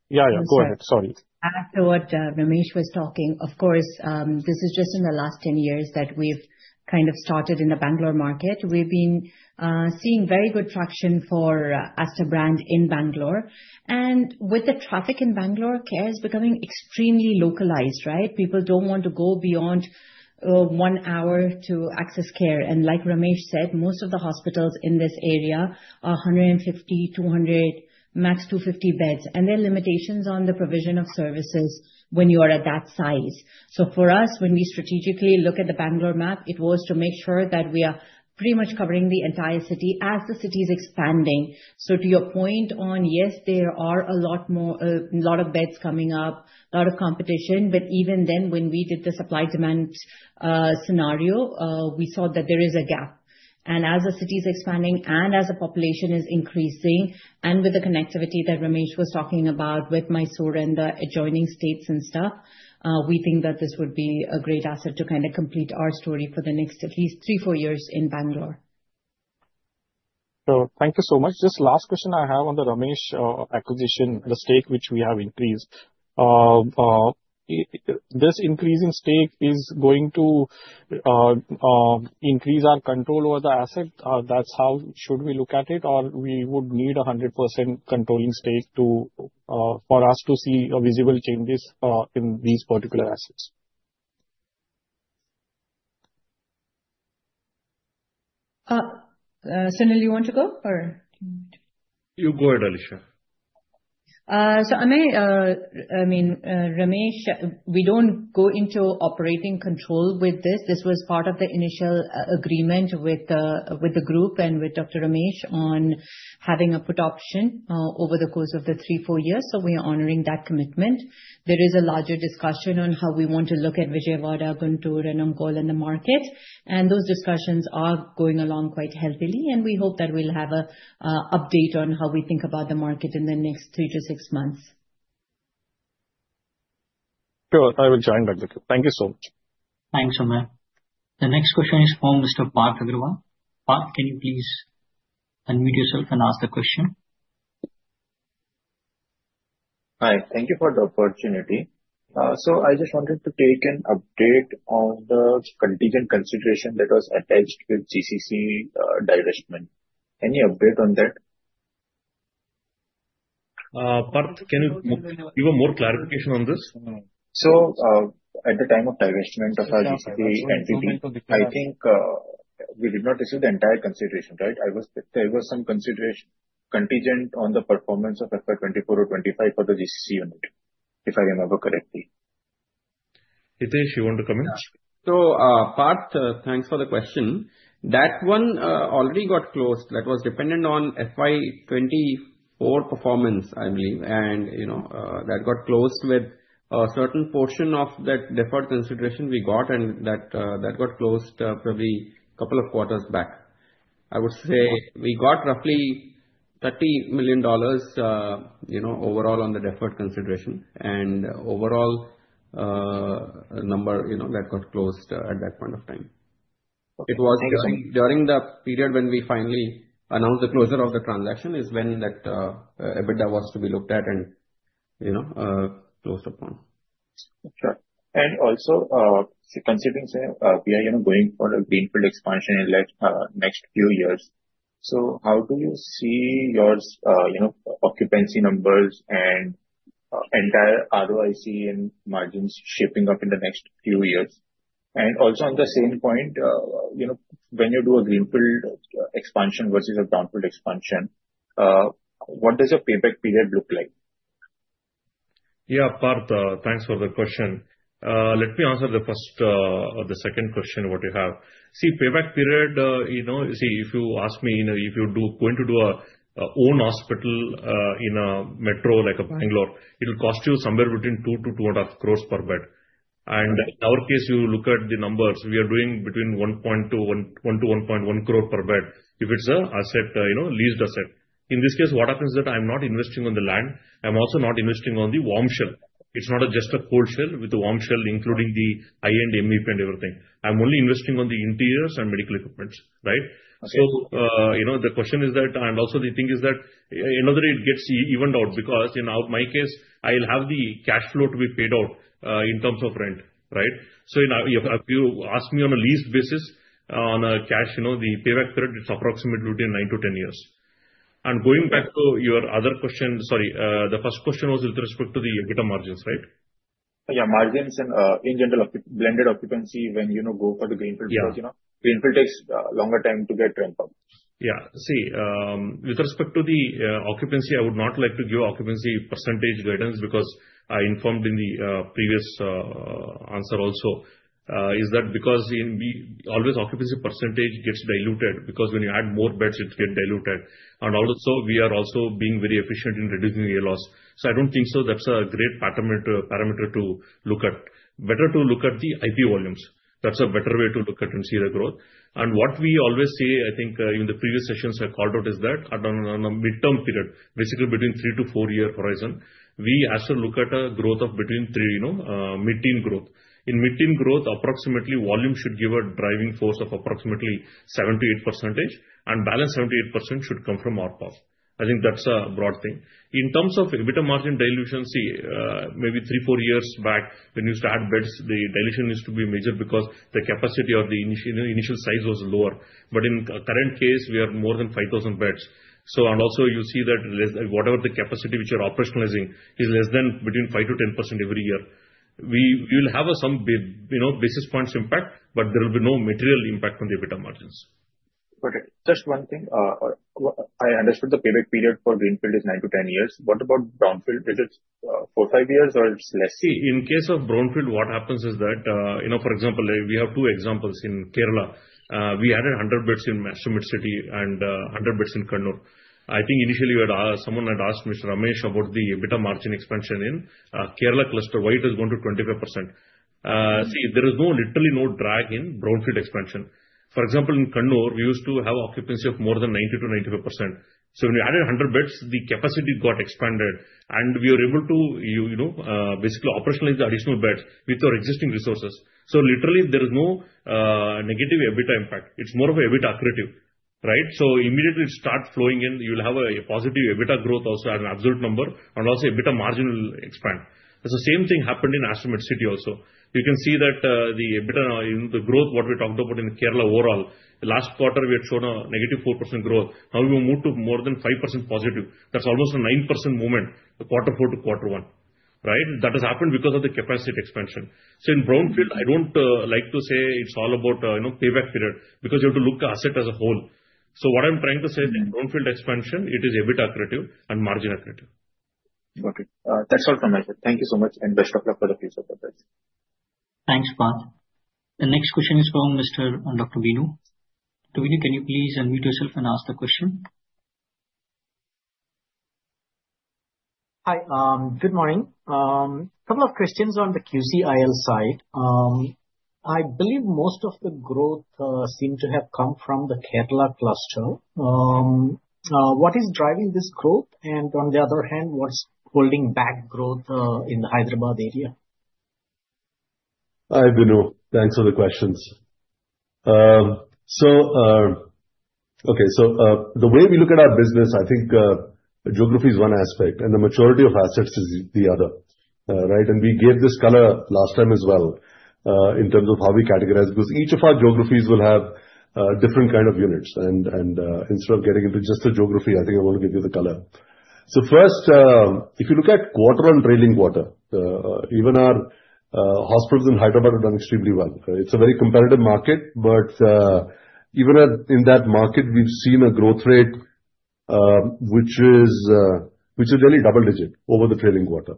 Yeah, go ahead. Sorry. After what Ramesh was talking, of course, this is just in the last 10 years that we've kind of started in the Bangalore market. We've been seeing very good traction for Aster brand in Bangalore. With the traffic in Bangalore, care is becoming extremely localized, right? People don't want to go beyond one hour to access care. Like Ramesh said, most of the hospitals in this area are 150, 200, max 250 beds. There are limitations on the provision of services when you are at that size. For us, when we strategically look at the Bangalore map, it was to make sure that we are pretty much covering the entire city as the city is expanding. To your point on, yes, there are a lot more, a lot of beds coming up, a lot of competition. Even then, when we did the supply-demand scenario, we saw that there is a gap. As the city is expanding and as the population is increasing, and with the connectivity that Ramesh was talking about with Mysore and the adjoining states and stuff, we think that this would be a great asset to kind of complete our story for the next at least three, four years in Bangalore. Thank you so much. Just the last question I have on the Ramesh acquisition, the stake which we have increased. This increase in stake is going to increase our control over the asset? That's how should we look at it? Or we would need a 100% controlling stake for us to see visible changes in these particular assets? Sunil, you want to go or do you want to? You go ahead, Alisha. I mean, Ramesh, we don't go into operating control with this. This was part of the initial agreement with the group and with Dr. Ramesh on having a put option over the course of the three, four years. We are honoring that commitment. There is a larger discussion on how we want to look at Vijayawada, Guntur, and Ongole in the market. Those discussions are going along quite healthily, and we hope that we'll have an update on how we think about the market in the next three to six months. Sure, I will join that. Thank you so much. Thanks, Amey. The next question is from Mr. Parth Agarwal. Parth, can you please unmute yourself and ask the question? Hi. Thank you for the opportunity. I just wanted to take an update on the contingent consideration that was attached with GCC divestment. Any update on that? Parth, can you give more clarification on this? At the time of divestment of our GCC entity, I think we did not receive the entire consideration, right? There was some contingent on the performance of FY 2024 or 2025 for the GCC unit, if I remember correctly. Hitesh, you want to come in? Thank you for the question. That one already got closed. That was dependent on FY 2024 performance, I believe. You know that got closed with a certain portion of that deferred consideration we got, and that got closed probably a couple of quarters back. I would say we got roughly $30 million overall on the deferred consideration. Overall, the number that got closed at that point of time. It was during the period when we finally announced the closure of the transaction is when that EBITDA was to be looked at and closed upon. Sure. Also, considering we are going for a greenfield expansion in the next few years, how do you see your occupancy numbers and entire ROIC and margins shaping up in the next few years? Also on the same point, when you do a greenfield expansion versus a brownfield expansion, what does a payback period look like? Yeah, Parth, thanks for the question. Let me answer the first or the second question, what you have. See, payback period, if you ask me, if you're going to do your own hospital in a metro like Bangalore, it'll cost you somewhere between 2 crore-2.5 crore per bed. In our case, you look at the numbers. We are doing between 1 crore-1.1 crore per bed if it's a leased asset. In this case, what happens is that I'm not investing on the land. I'm also not investing on the warm shell. It's not just a cold shell; with the warm shell including the high-end MEP and everything, I'm only investing on the interiors and medical equipment, right? The question is that, and also the thing is that it gets evened out because in my case, I'll have the cash flow to be paid out in terms of rent, right? If you ask me on a lease basis, on a cash, the payback period, it's approximately nine to 10 years. Going back to your other question, sorry, the first question was with respect to the EBITDA margins, right? Yeah, margins and in general, blended occupancy when you go for the greenfield, you know, greenfield takes a longer time to get ramp up. Yeah. See, with respect to the occupancy, I would not like to give occupancy percentage guidance because I informed in the previous answer also, is that because occupancy percentage always gets diluted because when you add more beds, it gets diluted. We are also being very efficient in reducing ALOS. I don't think that's a great parameter to look at. Better to look at the IP volumes. That's a better way to look at and see the growth. What we always say, I think in the previous sessions I called out, is that on a midterm period, basically between three to four-year horizon, we have to look at a growth of between three, you know, mid-teen growth. In mid-teen growth, approximately volume should give a driving force of approximately 7%-8%, and balance 7%-8% should come from ARPOB. I think that's a broad thing. In terms of EBITDA margin dilution, maybe three, four years back, when you used to add beds, the dilution used to be major because the capacity or the initial size was lower. In the current case, we are more than 5,000 beds. You'll see that whatever the capacity which you're operationalizing is less than between 5%-10% every year. We will have some basis points impact, but there will be no material impact on the EBITDA margins. Okay. Just one thing. I understood the payback period for Greenfield is nine to 10 years. What about Brownfield? Is it four, five years, or it's less? See, in case of Brownfield, what happens is that, you know, for example, we have two examples in Kerala. We added 100 beds in Aster Medcity and 100 beds in Kannur. I think initially, someone had asked Mr. Ramesh about the EBITDA margin expansion in Kerala cluster, why it has gone to 25%. See, there is literally no drag in brownfield expansion. For example, in Kannur, we used to have occupancy of more than 90%-95%. When we added 100 beds, the capacity got expanded, and we were able to basically operationalize the additional beds with our existing resources. There is no negative EBITDA impact. It's more of an EBITDA accretive, right? Immediately, it starts flowing in. You'll have a positive EBITDA growth also at an absolute number, and also EBITDA margin will expand. The same thing happened in Aster Medcity also. You can see that the EBITDA in the growth, what we talked about in Kerala overall, the last quarter, we had shown a negative -4% growth. Now we will move to more than 5%+. That's almost a 9% movement, the quarter four to quarter one, right? That has happened because of the capacity expansion. In Brownfield, I don't like to say it's all about payback period because you have to look at the asset as a whole. What I'm trying to say is in Brownfield expansion, it is EBITDA accuracy and margin accuracy. Okay, that's all from my side. Thank you so much, and best of luck for the future project. Thanks, Parth. The next question is from Dr. Bino. Dr. Bino, can you please unmute yourself and ask the question? Hi. Good morning. A couple of questions on the QCIL side. I believe most of the growth seemed to have come from the Kerala cluster. What is driving this growth? On the other hand, what's holding back growth in the Hyderabad area? Hi, Bino. Thanks for the questions. Okay. The way we look at our business, I think geography is one aspect, and the maturity of assets is the other, right? We gave this color last time as well in terms of how we categorize because each of our geographies will have different kinds of units. Instead of getting into just the geography, I think I want to give you the color. First, if you look at quarter and trailing quarter, even our hospitals in Hyderabad have done extremely well. It's a very competitive market, but even in that market, we've seen a growth rate which is nearly double-digit over the trailing quarter.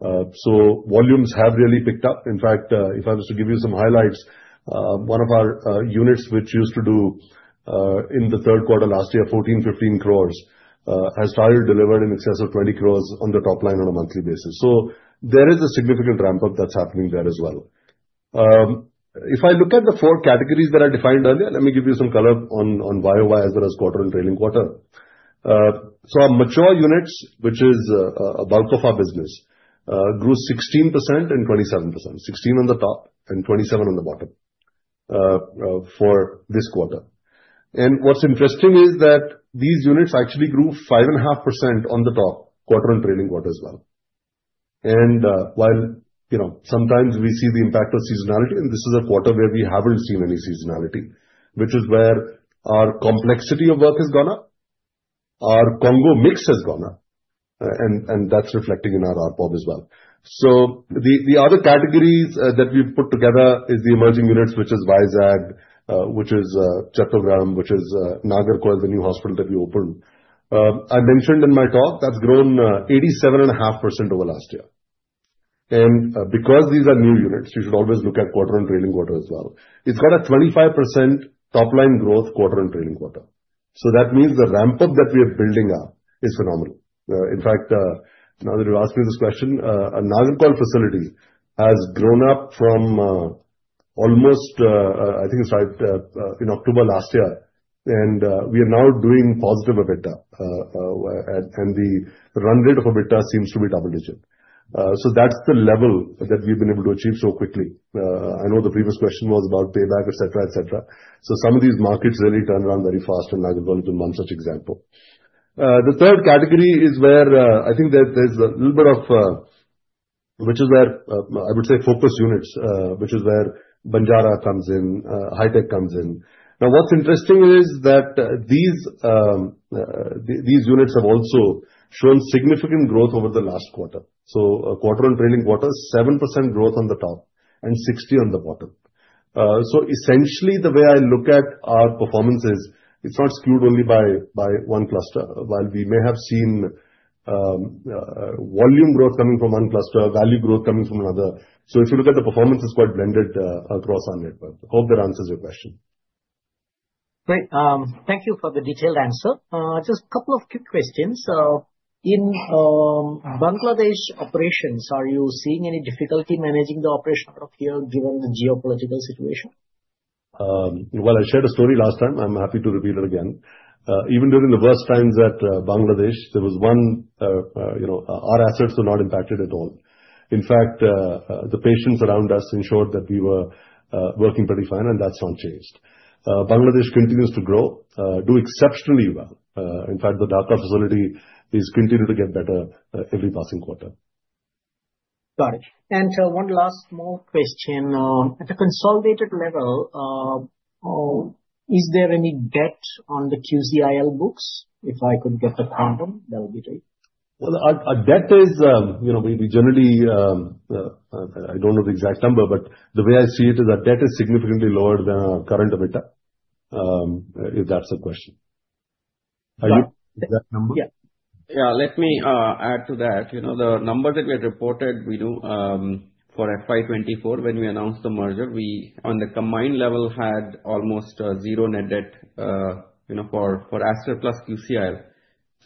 Volumes have really picked up. In fact, if I was to give you some highlights, one of our units which used to do in the third quarter last year, 14 crore-15 crore, has started to deliver in excess of 20 crore on the top line on a monthly basis. There is a significant ramp-up that's happening there as well. If I look at the four categories that I defined earlier, let me give you some color on YoY as well as quarter and trailing quarter. Our mature units, which is a bulk of our business, grew 16% and 27%, 16% on the top and 27% on the bottom for this quarter. What's interesting is that these units actually grew 5.5% on the top, quarter and trailing quarter as well. While you know sometimes we see the impact of seasonality, this is a quarter where we haven't seen any seasonality, which is where our complexity of work has gone up, our CONGO mix has gone up, and that's reflecting in our ARPOB as well. The other categories that we've put together are the emerging units, which is Vizag, which is Chattogram, which is Nagercoil, the new hospital that we opened. I mentioned in my talk that's grown 87.5% over last year. Because these are new units, you should always look at quarter and trailing quarter as well. It's got a 25% top-line growth, quarter and trailing quarter. That means the ramp-up that we are building up is phenomenal. In fact, now that you've asked me this question, Nagercoil facility has grown up from almost, I think it started in October last year, and we are now doing positive EBITDA. The run rate of EBITDA seems to be double-digit. That's the level that we've been able to achieve so quickly. I know the previous question was about payback, etc., etc. Some of these markets really turn around very fast, and I can go into one such example. The third category is where I think there's a little bit of, which is where I would say focus units, which is where Banjara comes in, Hi-tech comes in. What's interesting is that these units have also shown significant growth over the last quarter. Water and trailing water, 7% growth on the top and 60% on the bottom. Essentially, the way I look at our performance is it's not skewed only by one cluster. While we may have seen volume growth coming from one cluster, value growth coming from another. If you look at the performance, it's quite blended across our network. I hope that answers your question. Great. Thank you for the detailed answer. Just a couple of quick questions. In Bangladesh operations, are you seeing any difficulty managing the operation out of here given the geopolitical situation? I shared a story last time. I'm happy to reveal it again. Even during the worst times at Bangladesh, there was one, you know, our assets were not impacted at all. In fact, the patients around us ensured that we were working pretty fine, and that's not changed. Bangladesh continues to grow, do exceptionally well. In fact, the Dhaka facility is continuing to get better every passing quarter. Got it. One last more question. At a consolidated level, is there any debt on the QCIL books? If I could get the quantum, that would be great. Our debt is, you know, we generally, I don't know the exact number, but the way I see it is our debt is significantly lower than our current EBITDA, if that's a question. Yeah. Let me add to that. You know, the number that we had reported, we knew for FY 2024, when we announced the merger, we, on the combined level, had almost zero net debt for Aster plus QCIL.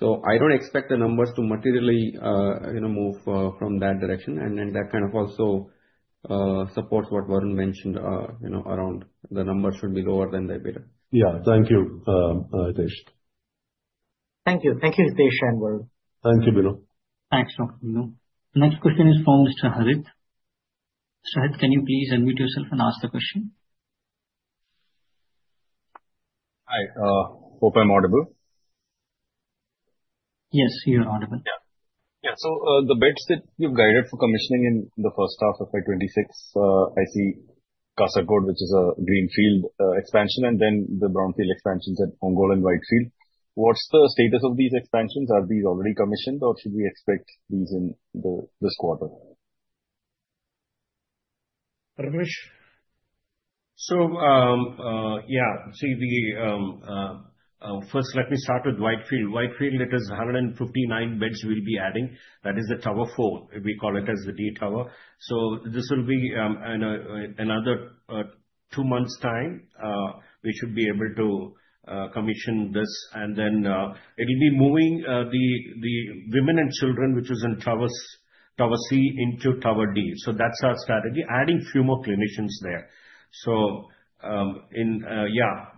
I don't expect the numbers to materially move from that direction. That kind of also supports what Varun mentioned around the numbers should be lower than the EBITDA. Yeah, thank you, Hitesh. Thank you. Thank you, Hitesh and Varun. Thank you, Bino. Thanks, Dr. Bino. Next question is from Mr. Harith. Harith, can you please unmute yourself and ask the question? Hi, hope I'm audible. Yes, you are audible. Yeah. Yeah. The beds that you've guided for commissioning in the first half of FY 2026, I see Kasargod, which is a greenfield expansion, and then the brownfield expansions at Ongole and Whitefield. What's the status of these expansions? Are these already commissioned, or should we expect these in this quarter? Yeah, let me start with Whitefield. Whitefield, it is 159 beds we'll be adding. That is the tower four. We call it the D tower. This will be in another two months' time, we should be able to commission this. It'll be moving the women and children, which was in tower C, into tower D. That's our strategy, adding a few more clinicians there.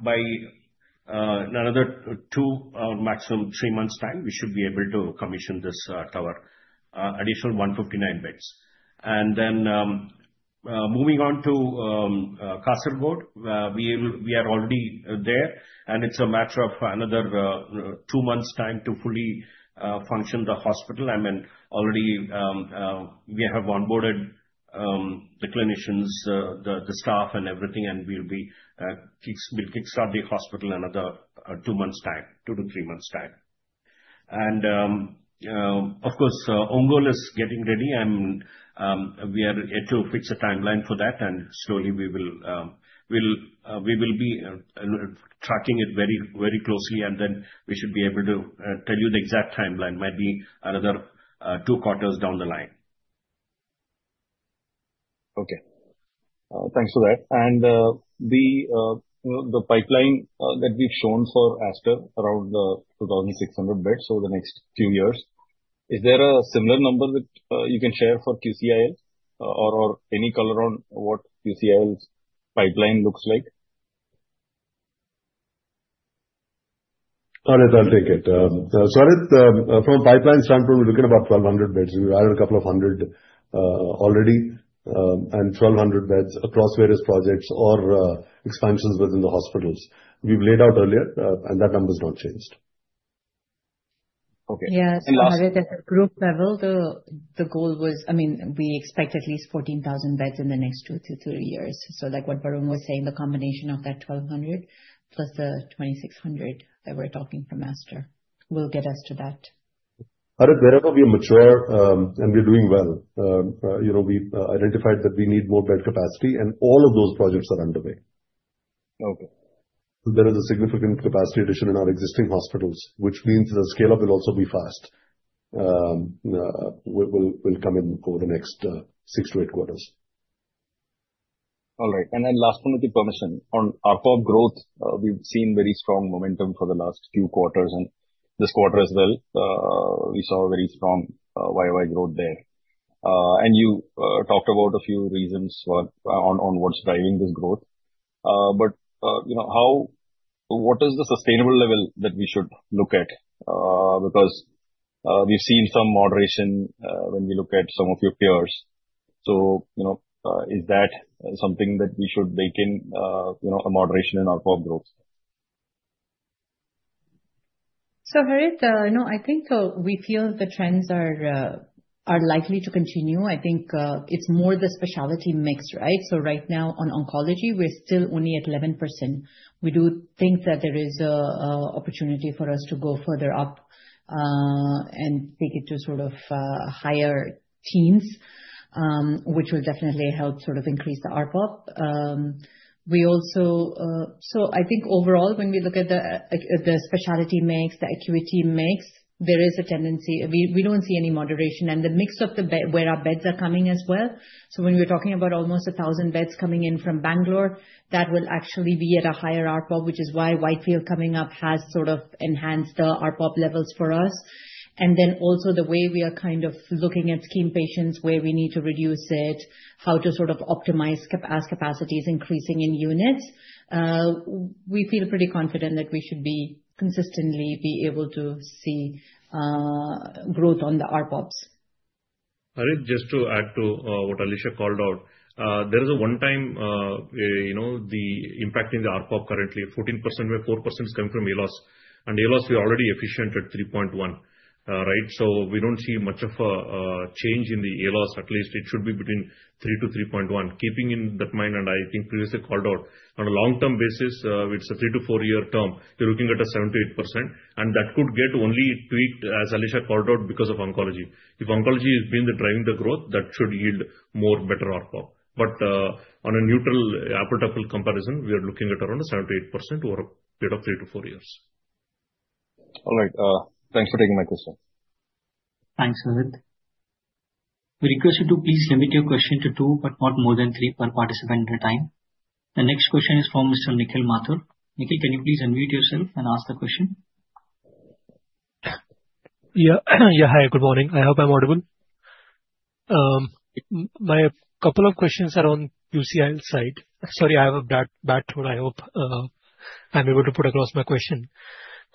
By another two or maximum three months' time, we should be able to commission this tower, additional 159 beds. Moving on to Kasargod, we are already there, and it's a matter of another two months' time to fully function the hospital. Already we have onboarded the clinicians, the staff, and everything, and we'll kickstart the hospital in another two months' time, two to three months' time. Of course, Ongole is getting ready, and we are yet to fix a timeline for that. Slowly, we will be tracking it very, very closely, and we should be able to tell you the exact timeline, maybe another two quarters down the line. Thanks for that. The pipeline that we've shown for Aster around the 2,600 beds over the next few years, is there a similar number that you can share for QCIL or any color on what QCIL's pipeline looks like? Harit, I'll take it. Harith, from a pipeline standpoint, we're looking at about 1,200 beds. We've added a couple of hundred already and 1,200 beds across various projects or expansions within the hospitals we've laid out earlier, and that number has not changed. Okay. Yes. Harith, at a group level, the goal was, I mean, we expect at least 14,000 beds in the next two to three years. Like what Varun was saying, the combination of that 1,200 plus the 2,600 that we're talking from Aster, will get us to that. Harit, wherever we mature and we're doing well, you know we identified that we need more bed capacity, and all of those projects are underway. Okay. There is a significant capacity addition in our existing hospitals, which means the scale-up will also be fast. It will come in over the next six to eight quarters. All right. Last one, with your permission, on ARPOB growth, we've seen very strong momentum for the last few quarters, and this quarter as well. We saw a very strong YoY growth there. You talked about a few reasons on what's driving this growth. What is the sustainable level that we should look at? We've seen some moderation when we look at some of your peers. Is that something that we should make in a moderation in ARPOB growth? Harith, you know I think we feel the trends are likely to continue. I think it's more the specialty mix, right? Right now, on oncology, we're still only at 11%. We do think that there is an opportunity for us to go further up and take it to sort of higher teens, which will definitely help sort of increase the ARPOB. Overall, when we look at the specialty mix, the acuity mix, there is a tendency. We don't see any moderation. The mix of where our beds are coming as well. When we're talking about almost 1,000 beds coming in from Bangalore, that will actually be at a higher ARPOB, which is why Whitefield coming up has sort of enhanced the ARPOB levels for us. Also, the way we are kind of looking at scheme patients, where we need to reduce it, how to sort of optimize capacity as capacity is increasing in units. We feel pretty confident that we should consistently be able to see growth on the ARPOBs. Harith, just to add to what Alisha called out, there is a one-time impact in the ARPOB currently, 14% where 4% is coming from ALOS. ALOS, we're already efficient at 3.1, right? We don't see much of a change in the ALOS. At least it should be between 3-3.1. Keeping that in mind, and I think previously called out, on a long-term basis, it's a three to four-year term. We're looking at a 7%-8%. That could get only tweaked, as Alisha called out, because of oncology. If oncology has been driving the growth, that should yield more better ARPOB. On a neutral apple-to-apple comparison, we are looking at around a 7%-8% over a period of three to four years. All right. Thanks for taking my question. Thanks, Harith. We request you to please limit your question to two, but not more than three per participant at a time. The next question is from Mr. Nikhil Mathur. Nikhil, can you please unmute yourself and ask the question? Yeah. Hi. Good morning. I hope I'm audible. My couple of questions are on QCIL side. Sorry, I have a bad throat. I hope I'm able to put across my question.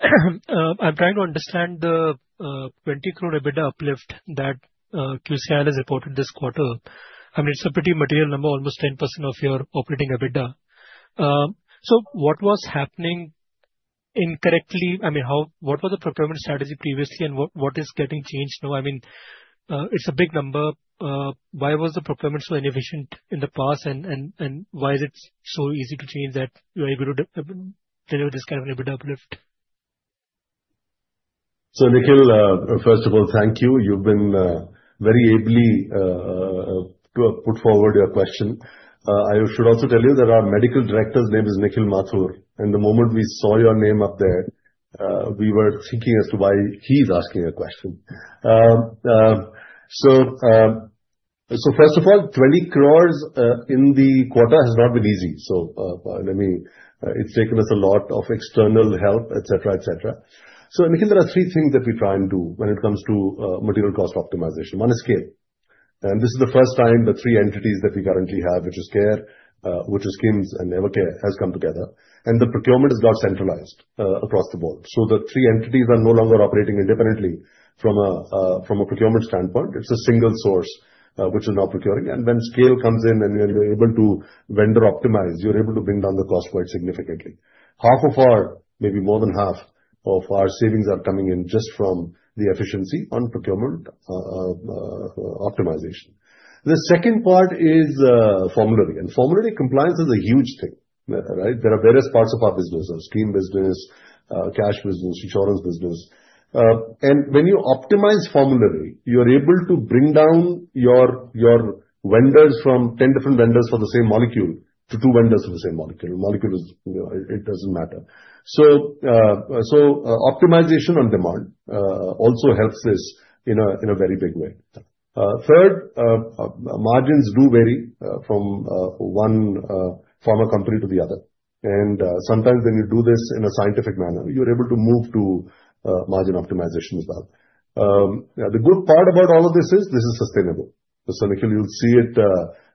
I'm trying to understand the 20 crore EBITDA uplift that QCIL has reported this quarter. I mean, it's a pretty material number, almost 10% of your operating EBITDA. What was happening incorrectly? What was the procurement strategy previously, and what is getting changed now? I mean, it's a big number. Why was the procurement so inefficient in the past, and why is it so easy to change that you are able to deliver this kind of EBITDA uplift? Nikhil, first of all, thank you. You've very ably put forward your question. I should also tell you that our Medical Director's name is Nikhil Mathur, and the moment we saw your name up there, we were thinking as to why he's asking a question. First of all, 20 crores in the quarter has not been easy. It's taken us a lot of external help, etc. Nikhil, there are three things that we try and do when it comes to material cost optimization. One is scale. This is the first time the three entities that we currently have, which is CARE, which is KIMS, and Evercare, have come together. The procurement is not centralized across the board, so the three entities are no longer operating independently from a procurement standpoint. It's a single source which is now procuring, and when scale comes in and you're able to vendor optimize, you're able to bring down the cost quite significantly. Half of our, maybe more than half of our savings are coming in just from the efficiency on procurement optimization. The second part is formulary, and formulary compliance is a huge thing, right? There are various parts of our business, our scheme business, cash business, insurance business. When you optimize formulary, you're able to bring down your vendors from 10 different vendors for the same molecule to two vendors for the same molecule. Molecules, it doesn't matter. Optimization on demand also helps this in a very big way. Third, margins do vary from one pharma company to the other, and sometimes when you do this in a scientific manner, you're able to move to margin optimization as well. The good part about all of this is this is sustainable. Nikhil, you'll see it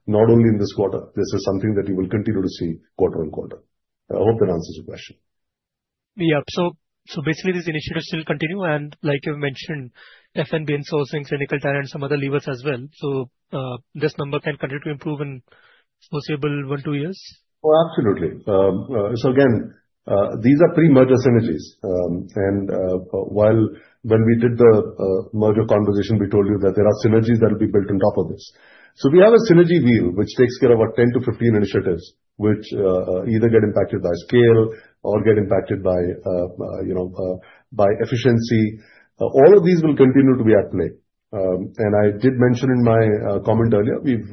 not only in this quarter. This is something that you will continue to see quarter on quarter. I hope that answers your question. Yeah. Basically, this initiative still continues. Like you mentioned, F&B insourcing, clinical talent, and some other levers as well, this number can continue to improve in the foreseeable one, two years? Oh, absolutely. These are pre-merger synergies. When we did the merger conversation, we told you that there are synergies that will be built on top of this. We have a synergy wheel which takes care of our 10-15 initiatives, which either get impacted by scale or get impacted by efficiency. All of these will continue to be at play. I did mention in my comment earlier, we've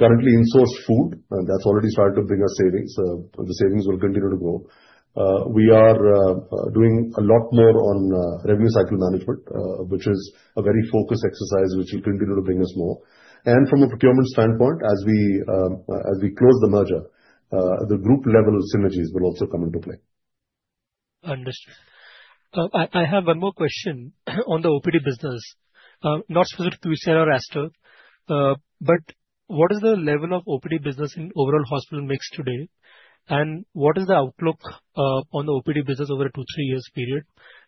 currently insourced food, and that's already started to bring us savings. The savings will continue to grow. We are doing a lot more on revenue cycle management, which is a very focused exercise, which will continue to bring us more. From a procurement standpoint, as we close the merger, the group-level synergies will also come into play. Understood. I have one more question on the OPD business. Not specific to QCIL or Aster, but what is the level of OPD business in overall hospital mix today? What is the outlook on the OPD business over a two to three years period?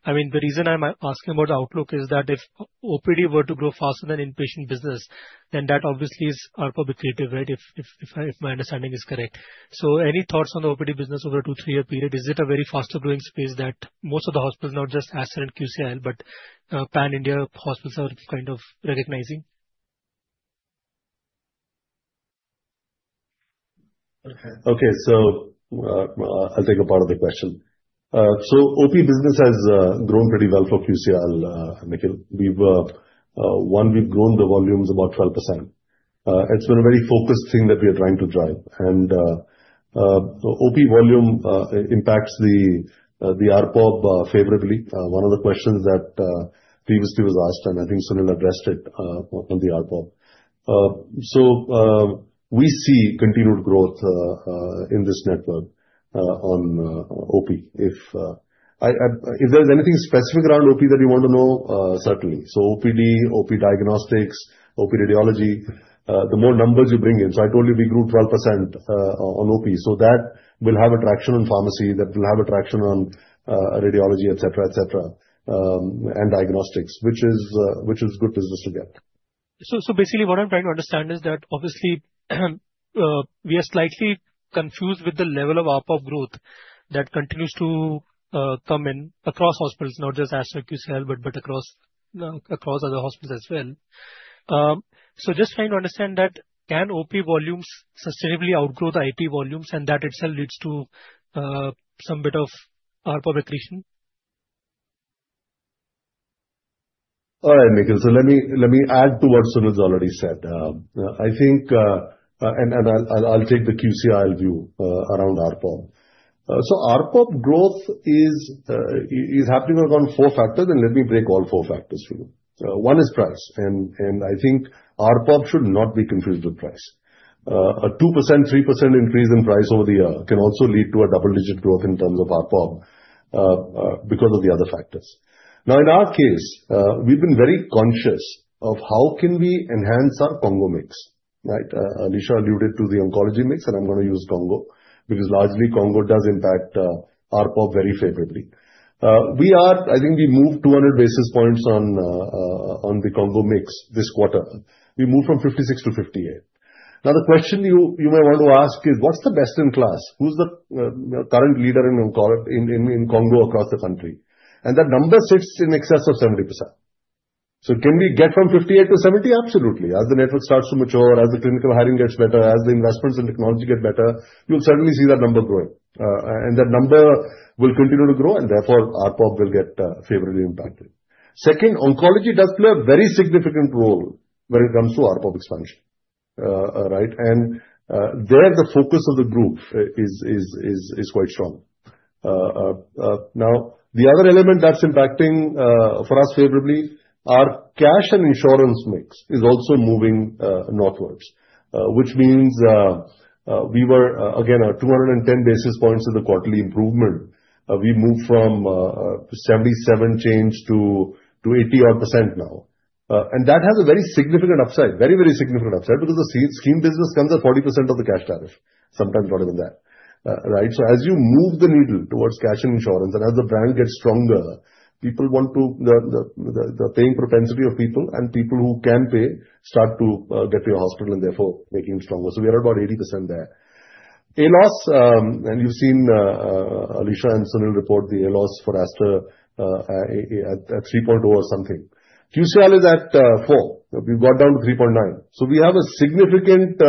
I mean, the reason I'm asking about the outlook is that if OPD were to grow faster than inpatient business, that obviously is ARPOB accretive, right, if my understanding is correct. Any thoughts on the OPD business over a two to three-year period? Is it a very fast-growing space that most of the hospitals, not just Aster and QCIL, but pan-India hospitals are kind of recognizing? Okay. I'll take a part of the question. OP business has grown pretty well for QCIL, Nikhil. We've grown the volumes about 12%. It's been a very focused thing that we are trying to drive. OP volume impacts the ARPOB favorably. One of the questions that previously was asked, and I think Sunil addressed it on the ARPOB. We see continued growth in this network on OP. If there's anything specific around OP that you want to know, certainly. OPD, OP diagnostics, OP radiology, the more numbers you bring in. I told you we grew 12% on OP. That will have a traction on pharmacy, that will have a traction on radiology, etc., etc., and diagnostics, which is good business to get. Basically, what I'm trying to understand is that obviously, we are slightly confused with the level of ARPOB growth that continues to come in across hospitals, not just Aster QCIL, but across other hospitals as well. Just trying to understand that, can OP volumes sustainably outgrow the IP volumes, and that itself leads to some bit of ARPOB accretion? All right, Nikhil. Let me add to what Sunil's already said. I think, and I'll take the QCIL view around ARPOB. ARPOB growth is happening on four factors, and let me break all four factors for you. One is price. I think ARPOB should not be confused with price. A 2%3% increase in price over the year can also lead to a double-digit growth in terms of ARPOB because of the other factors. In our case, we've been very conscious of how can we enhance our CONGO mix, right? Alisha alluded to the oncology mix, and I'm going to use CONGO because largely, CONGO does impact ARPOB very favorably. I think we moved 200 basis points on the oncology mix this quarter. We moved from 56%-58%. The question you may want to ask is, what's the best in class? Who's the current leader in CONGO across the country? That number sits in excess of 70%. Can we get from 58% to 70%? Absolutely. As the network starts to mature, as the clinical hiring gets better, as the investments in technology get better, you'll certainly see that number growing. That number will continue to grow, and therefore, ARPOB will get favorably impacted. Second, oncology does play a very significant role when it comes to ARPOB expansion, right? The focus of the group is quite strong. The other element that's impacting for us favorably, our cash and insurance mix is also moving northwards, which means we were, again, 210 basis points of the quarterly improvement. We moved from 77% change to 80% odd now. That has a very significant upside, very, very significant upside because the scheme business comes at 40% of the cash tariff, sometimes broader than that, right? As you move the needle towards cash and insurance, and as the brand gets stronger, the paying propensity of people and people who can pay start to get to your hospital, making it stronger. We're at about 80% there. ALOS, and you've seen Alisha and Sunil report the ALOS for Aster at 3.0 or something. QCIL is at 4. We've got down to 3.9. We have a significant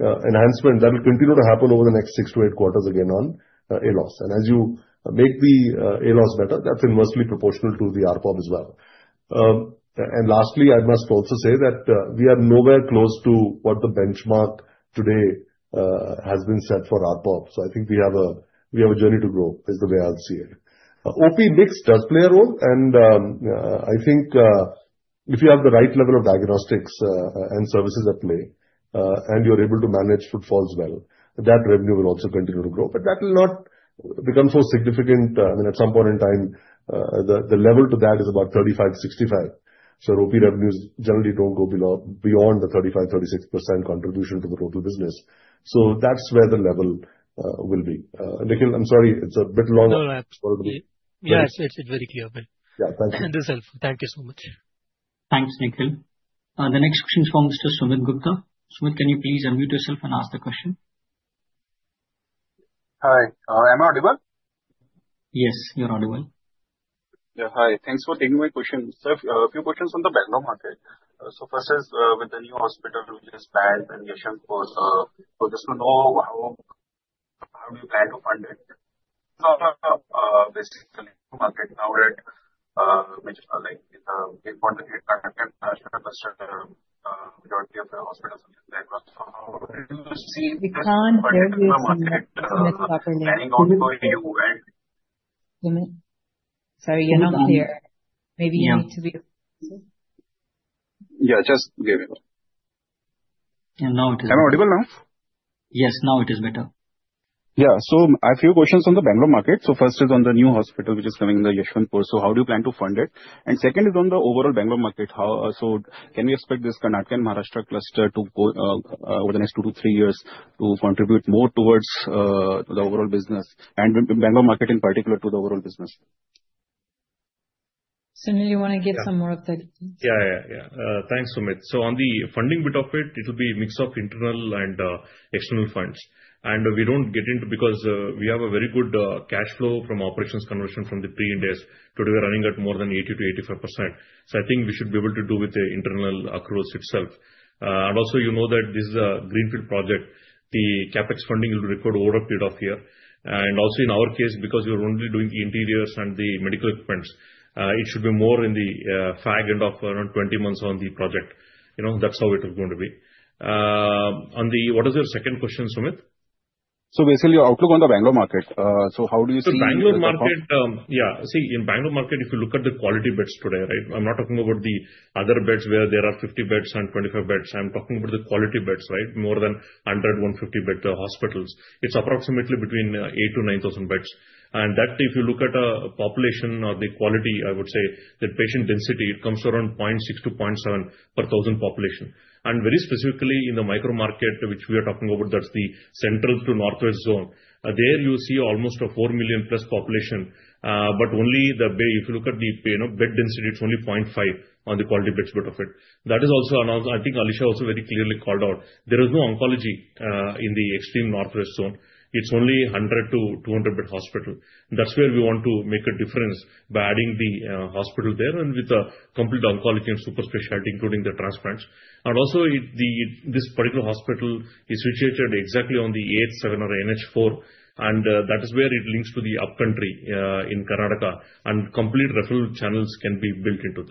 enhancement that will continue to happen over the next six to eight quarters again on ALOS. As you make the ALOS better, that's inversely proportional to the ARPOB as well. Lastly, I must also say that we are nowhere close to what the benchmark today has been set for ARPOB. I think we have a journey to grow, is the way I'll see it. OP mix does play a role, and I think if you have the right level of diagnostics and services at play, and you're able to manage footfalls well, that revenue will also continue to grow. That will not become so significant. At some point in time, the level to that is about 35%, 65%. Rupee revenues generally don't go beyond the 35%, 36% contribution to the total business. That's where the level will be. Nikhil, I'm sorry. It's a bit long. All right. Sorry to be. Yes, it's very clear. Yeah, thank you. Thank you so much. Thanks, Nikhil. The next question is from Mr. Sumit Gupta. Sumit, can you please unmute yourself and ask the question? Hi. Am I audible? Yes, you're audible. Yeah. Hi. Thanks for taking my question. A few questions on the Bangalore market. First is with the new hospital, which is planned in Yeshwanthpur. I just want to know how do you plan to fund it? (audio distortion) (audio distortion) Yeah, just give it. Yeah, now it is. Am I audible now? Yes, now it is better. Yeah. A few questions on the Bangalore market. First is on the new hospital, which is coming in the Yeshwanthpur. How do you plan to fund it? Second is on the overall Bangalore market. Can we expect this Karnataka, Maharashtra cluster to grow over the next two to three years to contribute more towards the overall business, and Bangalore market in particular to the overall. Sunil, you want to give some more of the? Thanks, Sumit. On the funding bit of it, it will be a mix of internal and external funds. We don't get into because we have a very good cash flow from operations conversion from the pre-IndAS. Today, we're running at more than 80%-85%. I think we should be able to do with the internal accruals itself. You know that this is a greenfield project. The CapEx funding will record over a period of a year. In our case, because we're only doing the interiors and the medical equipment's, it should be more in the fag end of around 20 months on the project. That's how it is going to be. What is your second question, Sumit? Basically, your outlook on the Bangalore market. How do you see the Bangalore market? Yeah. See, in the Bangalore market, if you look at the quality beds today, right, I'm not talking about the other beds where there are 50 beds and 25 beds. I'm talking about the quality beds, right, more than 100, 150 beds hospitals. It's approximately between 8,000-9,000 beds. If you look at a population or the quality, I would say the patient density, it comes to around 0.6-0.7 per 1,000 population. Very specifically, in the micro market we are talking about, that's the central to northwest zone. There, you see almost a 4+ million population. If you look at the bed density, it's only 0.5 on the quality beds bit of it. That is also another, I think Alisha also very clearly called out. There is no oncology in the extreme northwest zone. It's only 100 -200 bed hospital. That's where we want to make a difference by adding the hospital there with the complete oncology and super specialty, including the transplants. Also, this particular hospital is situated exactly on the NH4. That is where it links to the upcountry in Karnataka. Complete referral channels can be built into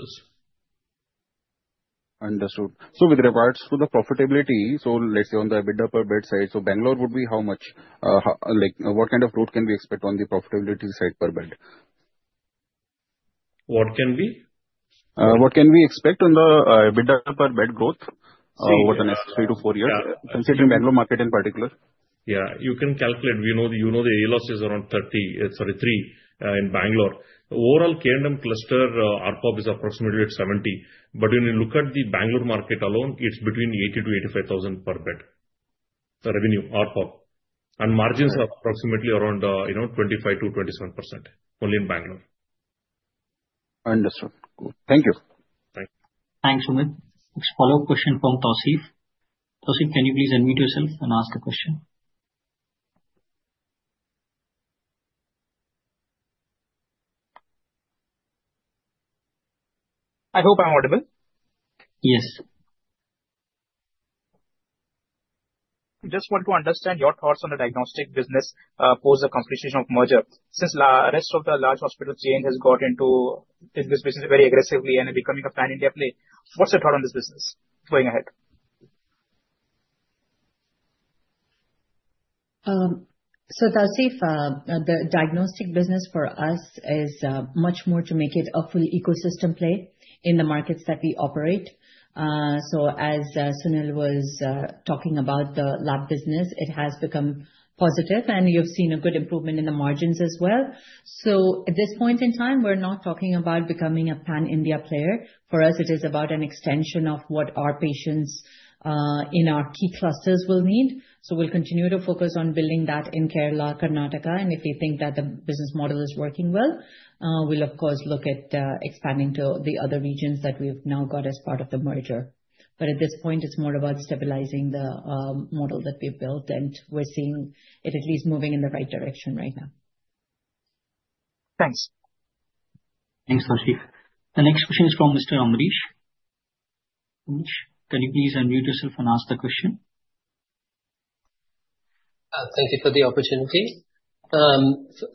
this. Understood. With regards to the profitability, on the EBITDA per bed side, Bangalore would be how much? What kind of growth can we expect on the profitability side per bed? What can be? What can we expect on the EBITDA per bed growth over the next three to four years, considering Bangalore market in particular? Yeah. You can calculate. You know the loss is around 3.0 in Bangalore. Overall, K&M cluster ARPOB is approximately at 70,000. When you look at the Bangalore market alone, it's between 80,000-85,000 per bed, the revenue ARPOB. Margins are approximately around 25%-27% only in Bangalore. Understood. Cool. Thank you. Thank you. Thanks, Sumit. Next follow-up question from Tausif. Tausif, can you please unmute yourself and ask a question? I hope I'm audible. Yes. I just want to understand your thoughts on the diagnostic business post the constitution of merger. Since the rest of the large hospital chain has got into this business very aggressively and becoming a pan India play, what's your thought on this business going ahead? The diagnostic business for us is much more to make it a full ecosystem play in the markets that we operate. As Sunil was talking about, the lab business has become positive, and you've seen a good improvement in the margins as well. At this point in time, we're not talking about becoming a Pan India player. For us, it is about an extension of what our patients in our key clusters will need. We'll continue to focus on building that in Kerala, Karnataka. If we think that the business model is working well, we'll, of course, look at expanding to the other regions that we've now got as part of the merger. At this point, it's more about stabilizing the model that we've built, and we're seeing it at least moving in the right direction right now. Thanks. Thanks, Tausif. The next question is from Mr. Amrish. Amrish, can you please unmute yourself and ask the question? Thank you for the opportunity.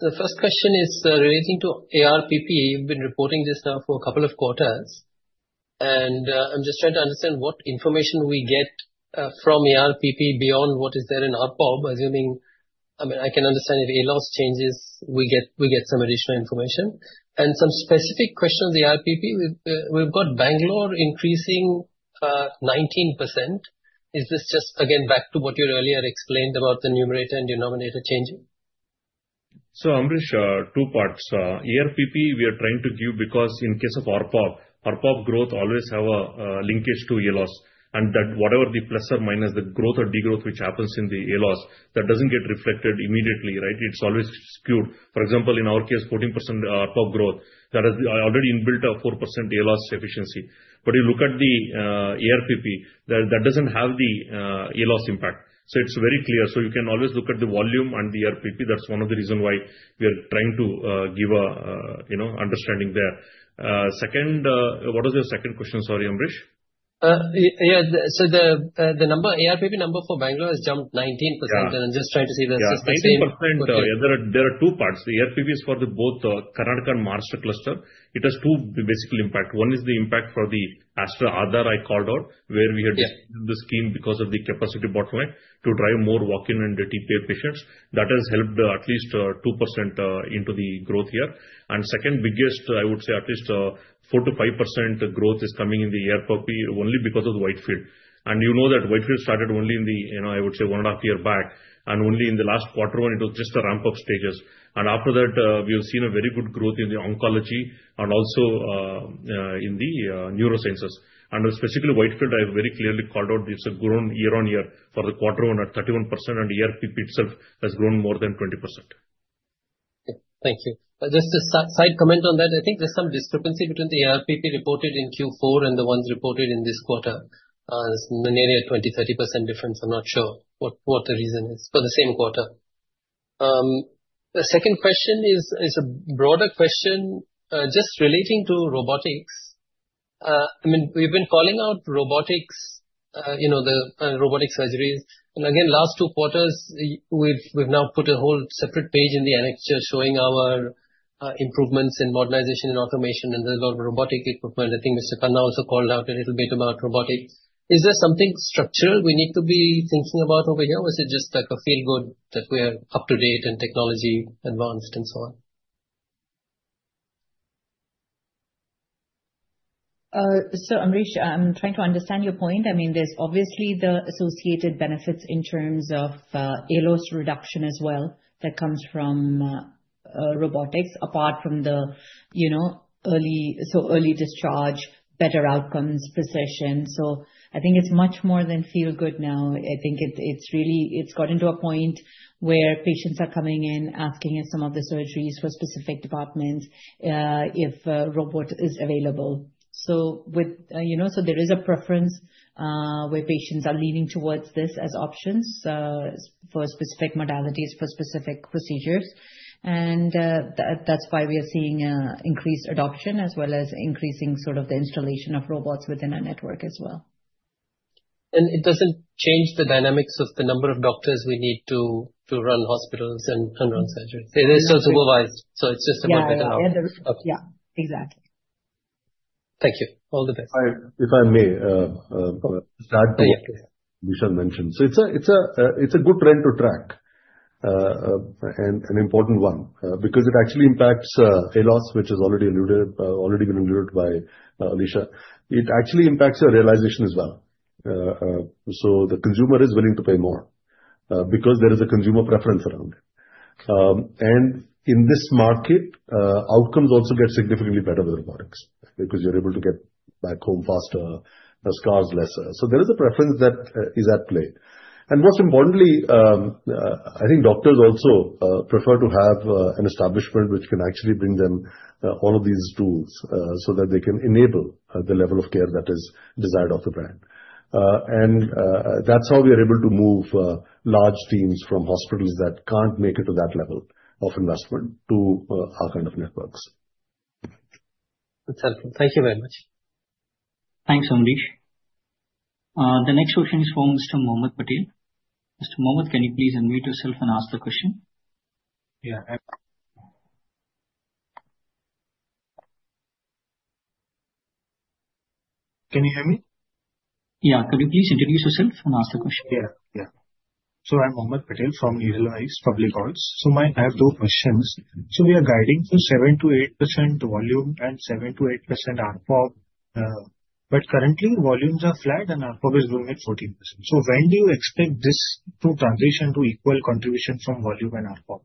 The first question is relating to ARPP. We've been reporting this now for a couple of quarters. I'm just trying to understand what information we get from ARPP beyond what is there in ARPOB. I mean, I can understand if ALOS changes, we get some additional information. A specific question on the ARPP, we've got Bangalore increasing 19%. Is this just, again, back to what you earlier explained about the numerator and denominator changing? Amrish, two parts. ARPP, we are trying to give because in case of ARPOB, ARPOB growth always has a linkage to ALOS. Whatever the plus or minus, the growth or degrowth which happens in the ALOS, that doesn't get reflected immediately, right? It's always skewed. For example, in our case, 14% ARPOB growth. That has already inbuilt a 4% ALOS efficiency. If you look at the ARPP, that doesn't have the ALOS impact. It's very clear. You can always look at the volume and the ARPP. That's one of the reasons why we are trying to give an understanding there. What was your second question? Sorry, Amrish. Yeah. The ARPP number for Bangalore has jumped 19%, and I'm just trying to see the suspecting. There are two parts. The ARPP is for both Karnataka and Maharashtra cluster. It has two basically impacts. One is the impact for the Aster Aadhaar I called out, where we had to do the scheme because of the capacity bottleneck to drive more walk-in and TPA paid patients. That has helped at least 2% into the growth here. The second biggest, I would say at least 4%-5% growth is coming in the ARPP only because of the Whitefield. You know that Whitefield started only in the, I would say, one and a half year back. Only in the last quarter one, it was just a ramp-up stages. After that, we have seen a very good growth in the oncology and also in the neurosciences. Specifically, Whitefield, I have very clearly called out, it's grown year on year for the quarter one at 31% and the ARPP itself has grown more than 20%. Thank you. Just a side comment on that. I think there's some discrepancy between the ARPP reported in Q4 and the ones reported in this quarter. There's a 20%, 30% difference. I'm not sure what the reason is for the same quarter. The second question is a broader question just relating to robotics. I mean, we've been calling out robotics, you know, the robotic surgeries. Last two quarters, we've now put a whole separate page in the annexure showing our improvements in modernization and automation. There's a lot of robotic equipment. I think Mr. Khanna also called out a little bit about robotics. Is there something structural we need to be thinking about over here? Or is it just like a feel-good that we are up to date and technology advanced and so on? I'm trying to understand your point. I mean, there's obviously the associated benefits in terms of ALOS reduction as well that comes from robotics, apart from the early discharge, better outcomes, precision. I think it's much more than feel-good now. I think it's really, it's gotten to a point where patients are coming in asking us, for some of the surgeries for specific departments, if a robot is available. There is a preference where patients are leaning towards this as options for specific modalities, for specific procedures. That's why we are seeing increased adoption as well as increasing the installation of robots within our network as well. It doesn't change the dynamics of the number of doctors we need to run hospitals and run surgeries. It is still supervised. It's just a bit better now. Yeah, yeah, exactly. Thank you. All the best. If I may start, we shall mention. It's a good trend to track and an important one because it actually impacts ALOS, which has already been alluded by Alisha. It actually impacts your realization as well. The consumer is willing to pay more because there is a consumer preference around it. In this market, outcomes also get significantly better with robotics because you're able to get back home faster, the scars lesser. There is a preference that is at play. Most importantly, I think doctors also prefer to have an establishment which can actually bring them all of these tools so that they can enable the level of care that is desired of the brand. That's how we are able to move large teams from hospitals that can't make it to that level of investment to our kind of networks. That's helpful. Thank you very much. Thanks, Amaresh. The next question is from Mr. Mohammed Patel. Mr. Mohammed, can you please unmute yourself and ask the question? Yeah, can you hear me? Could you please introduce yourself and ask the question? Yeah. Yeah. I'm Mohammed Patel from Edelweiss Public Alts. I have two questions. We are guiding for 7%-8% volume and 7%-8% ARPOB, but currently, volumes are flat and ARPOB is growing at 14%. When do you expect this to transition to equal contribution from volume and ARPOB?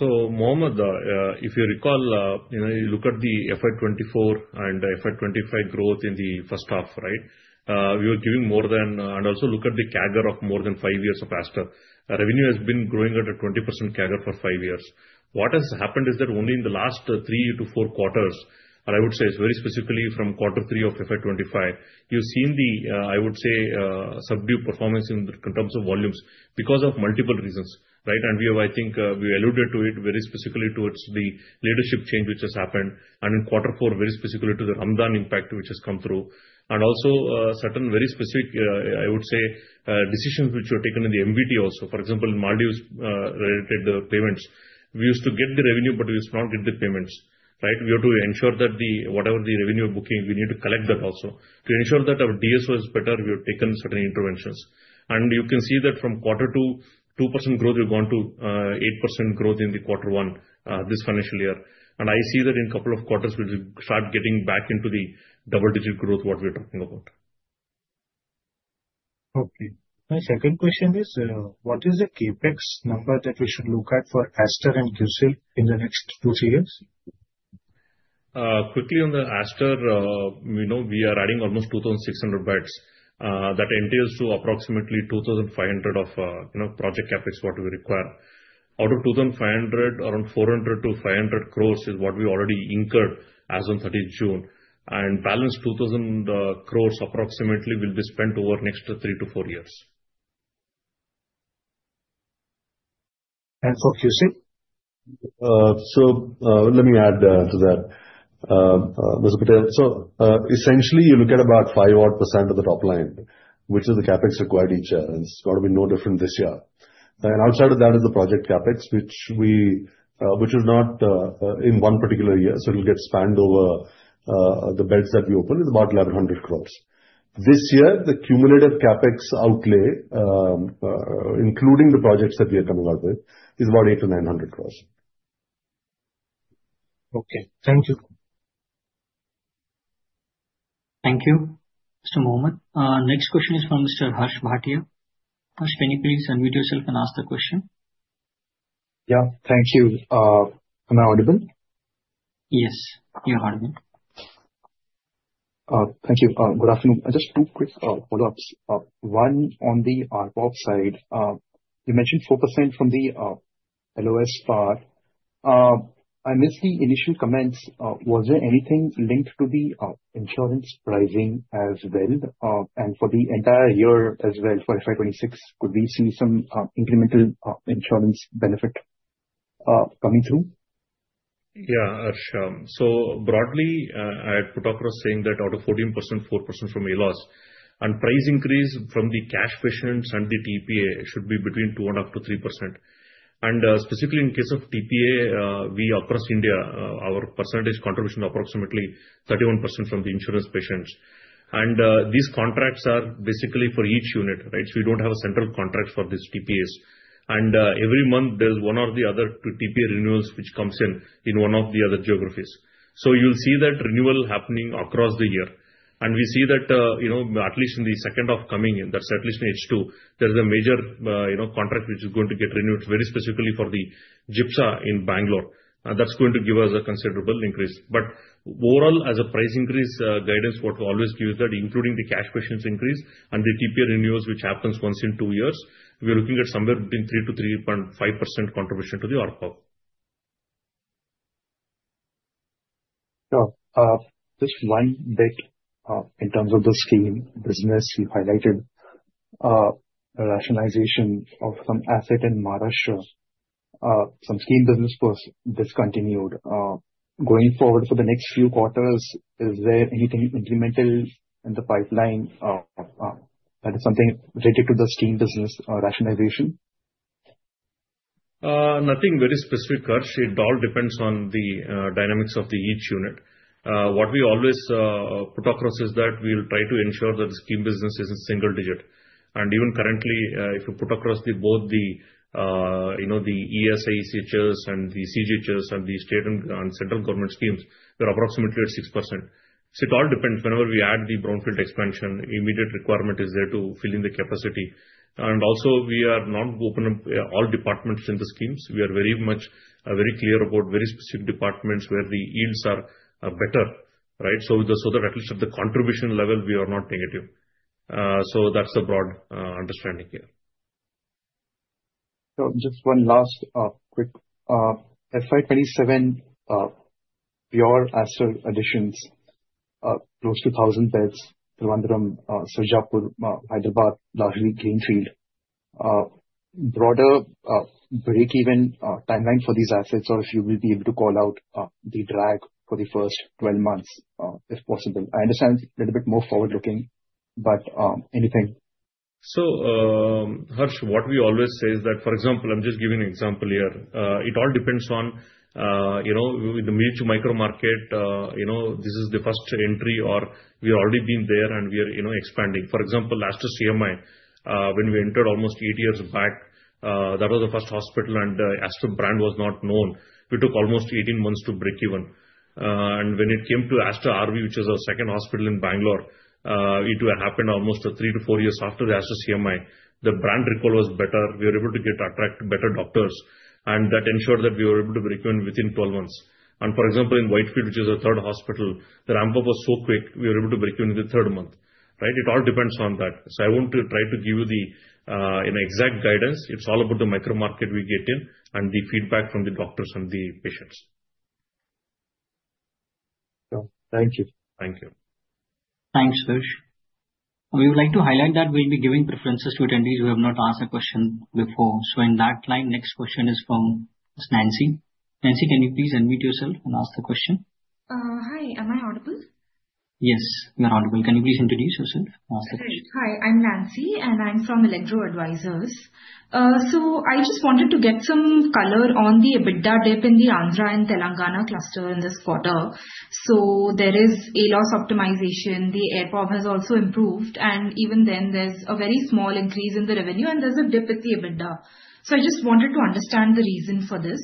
Mohammed, if you recall, you know, you look at the FY 2024 and FY 2025 growth in the first half, right? We are giving more than, and also look at the CAGR of more than five years of Aster. Revenue has been growing at a 20% CAGR for five years. What has happened is that only in the last three to four quarters, or I would say it's very specifically from quarter three of FY 2025, you've seen the, I would say, subdued performance in terms of volumes because of multiple reasons, right? We have, I think, alluded to it very specifically towards the leadership change which has happened. In quarter four, very specifically to the Ramadan impact which has come through. Also, certain very specific, I would say, decisions which were taken in the MVT also. For example, in Maldives related to payments, we used to get the revenue, but we used to not get the payments, right? We had to ensure that whatever the revenue booking, we need to collect that also. To ensure that our DSO is better, we have taken certain interventions. You can see that from quarter two, 2% growth, we've gone to 8% growth in quarter one, this financial year. I see that in a couple of quarters, we'll start getting back into the double-digit growth, what we're talking about. Okay. My second question is, what is the CapEx number that we should look at for Aster and QCIL in the next two, three years? Quickly on the Aster, we know we are adding almost 2,600 beds. That entails approximately 2,500 crore of project CapEx, what we require. Out of 2,500 crore, around 400 crore-500 crore is what we already incurred as of 30 June. The balanced 2,000 crore approximately will be spent over the next three to four years. For QCIL? Let me add to that, Mr. Patel. Essentially, you look at about 5% of the top line, which is the CapEx required each year. It's got to be no different this year. Outside of that is the project CapEx, which is not in one particular year. It'll get spanned over the beds that we open. It's about 1,100 crore. This year, the cumulative CapEx outlay, including the projects that we are coming up with, is about 800-900 crore. Okay. Thank you. Thank you, Mr. Mohammed. Next question is from Mr. Harsh Bhatia. Harsh, can you please unmute yourself and ask the question? Thank you. Am I audible? Yes, you're audible. Thank you. Good afternoon. Just two quick follow-ups. One on the ARPOB side. You mentioned 4% from the ALOS part. I missed the initial comments. Was there anything linked to the insurance pricing as well? For the entire year as well, for FY 2026, could we see some incremental insurance benefit coming through? Yeah, Harsh. Broadly, I had put across saying that out of 14%, 4% from ALOS. Price increase from the cash patients and the TPA should be between 2% and up to 3%. Specifically, in case of TPA, across India, our percentage contribution is approximately 31% from the insurance patients. These contracts are basically for each unit, right? We don't have a central contract for these TPAs. Every month, there's one or the other TPA renewals which comes in in one of the other geographies. You'll see that renewal happening across the year. We see that at least in the second half coming in, that's at least in H2, there's a major contract which is going to get renewed. It's very specifically for the GIPSA in Bangalore. That's going to give us a considerable increase. Overall, as a price increase guidance, what we always give is that, including the cash patients' increase and the TPA renewals, which happens once in two years, we're looking at somewhere between 3%-3.5% contribution to the ARPOB. Just one bit in terms of the scheme business, you highlighted the rationalization of some asset in Maharashtra. Some scheme business was discontinued. Going forward for the next few quarters, is there anything incremental in the pipeline? That is something related to the scheme business rationalization? Nothing very specific, Harsh. It all depends on the dynamics of each unit. What we always put across is that we'll try to ensure that the scheme business is in single digit. Even currently, if you put across both the ESI, ECHS, and the CGHS and the state and central government schemes, we're approximately at 6%. It all depends. Whenever we add the brownfield expansion, the immediate requirement is there to fill in the capacity. We are not opening up all departments in the schemes. We are very much very clear about very specific departments where the yields are better, right? At least at the contribution level, we are not negative. That's a broad understanding here. Just one last quick. FY 2027, your Aster additions, close to 1,000 beds in Tiruvandrum, Sarjapur, Hyderabad, largely Greenfield. Broader break-even timeline for these assets, or if you will be able to call out the drag for the first 12 months, if possible. I understand it's a little bit more forward-looking, but anything? What we always say is that, for example, I'm just giving an example here. It all depends on, you know, in the major micro market, you know, this is the first entry or we've already been there and we're, you know, expanding. For example, Aster CMI, when we entered almost eight years back, that was the first hospital and the Aster brand was not known. It took almost 18 months to break even. When it came to Aster RV, which is our second hospital in Bangalore, it happened almost three to four years after the Aster CMI. The brand recall was better. We were able to attract better doctors. That ensured that we were able to break even within 12 months. For example, in Whitefield, which is our third hospital, the ramp-up was so quick, we were able to break even within the third month, right? It all depends on that. I won't try to give you the exact guidance. It's all about the micro market we get in and the feedback from the doctors and the patients. Thank you. Thank you. Thanks, Harsh. We would like to highlight that we'll be giving preferences to attendees who have not asked a question before. In that line, next question is from Ms. Nancy. Nancy, can you please unmute yourself and ask the question? Hi. Am I audible? Yes, you're audible. Can you please introduce yourself and ask the question? Okay. Hi. I'm Nancy, and I'm from Allegro Advisors. I just wanted to get some color on the EBITDA dip in the Andhra and Telangana cluster in this quarter. There is ALOS optimization. The ARPOB has also improved. Even then, there's a very small increase in the revenue, and there's a dip in the EBITDA. I just wanted to understand the reason for this.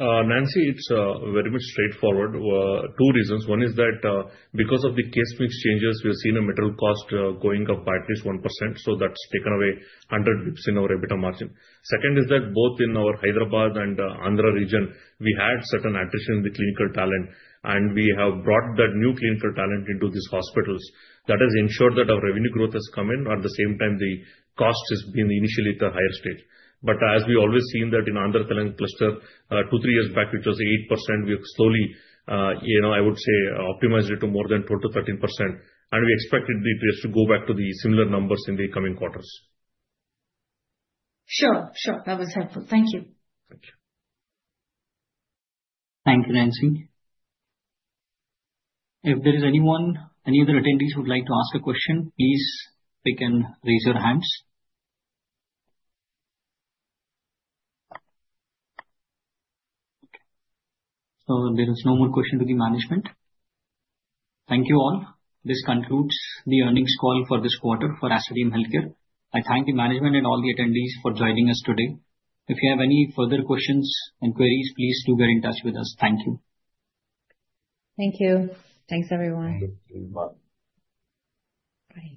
Nancy, it's very much straightforward. Two reasons. One is that because of the case mix changes, we've seen a middle cost going up by at least 1%. That's taken away 100 bps in our EBITDA margin. Second is that both in our Hyderabad and Andhra region, we had certain attrition in the clinical talent. We have brought that new clinical talent into these hospitals. That has ensured that our revenue growth has come in. At the same time, the cost has been initially at a higher stage. As we always see in Andhra and Telangana cluster, two, three years back, it was 8%. We have slowly, you know, I would say, optimized it to more than 12%-13%. We expect it to go back to the similar numbers in the coming quarters. Sure. That was helpful. Thank you. Thank you, Nancy. If there is anyone, any other attendees who would like to ask a question, please take and raise your hands. Okay. There is no more question to the management. Thank you all. This concludes the earnings call for this quarter for Aster DM Healthcare. I thank the management and all the attendees for joining us today. If you have any further questions and queries, please do get in touch with us. Thank you. Thank you. Thanks, everyone.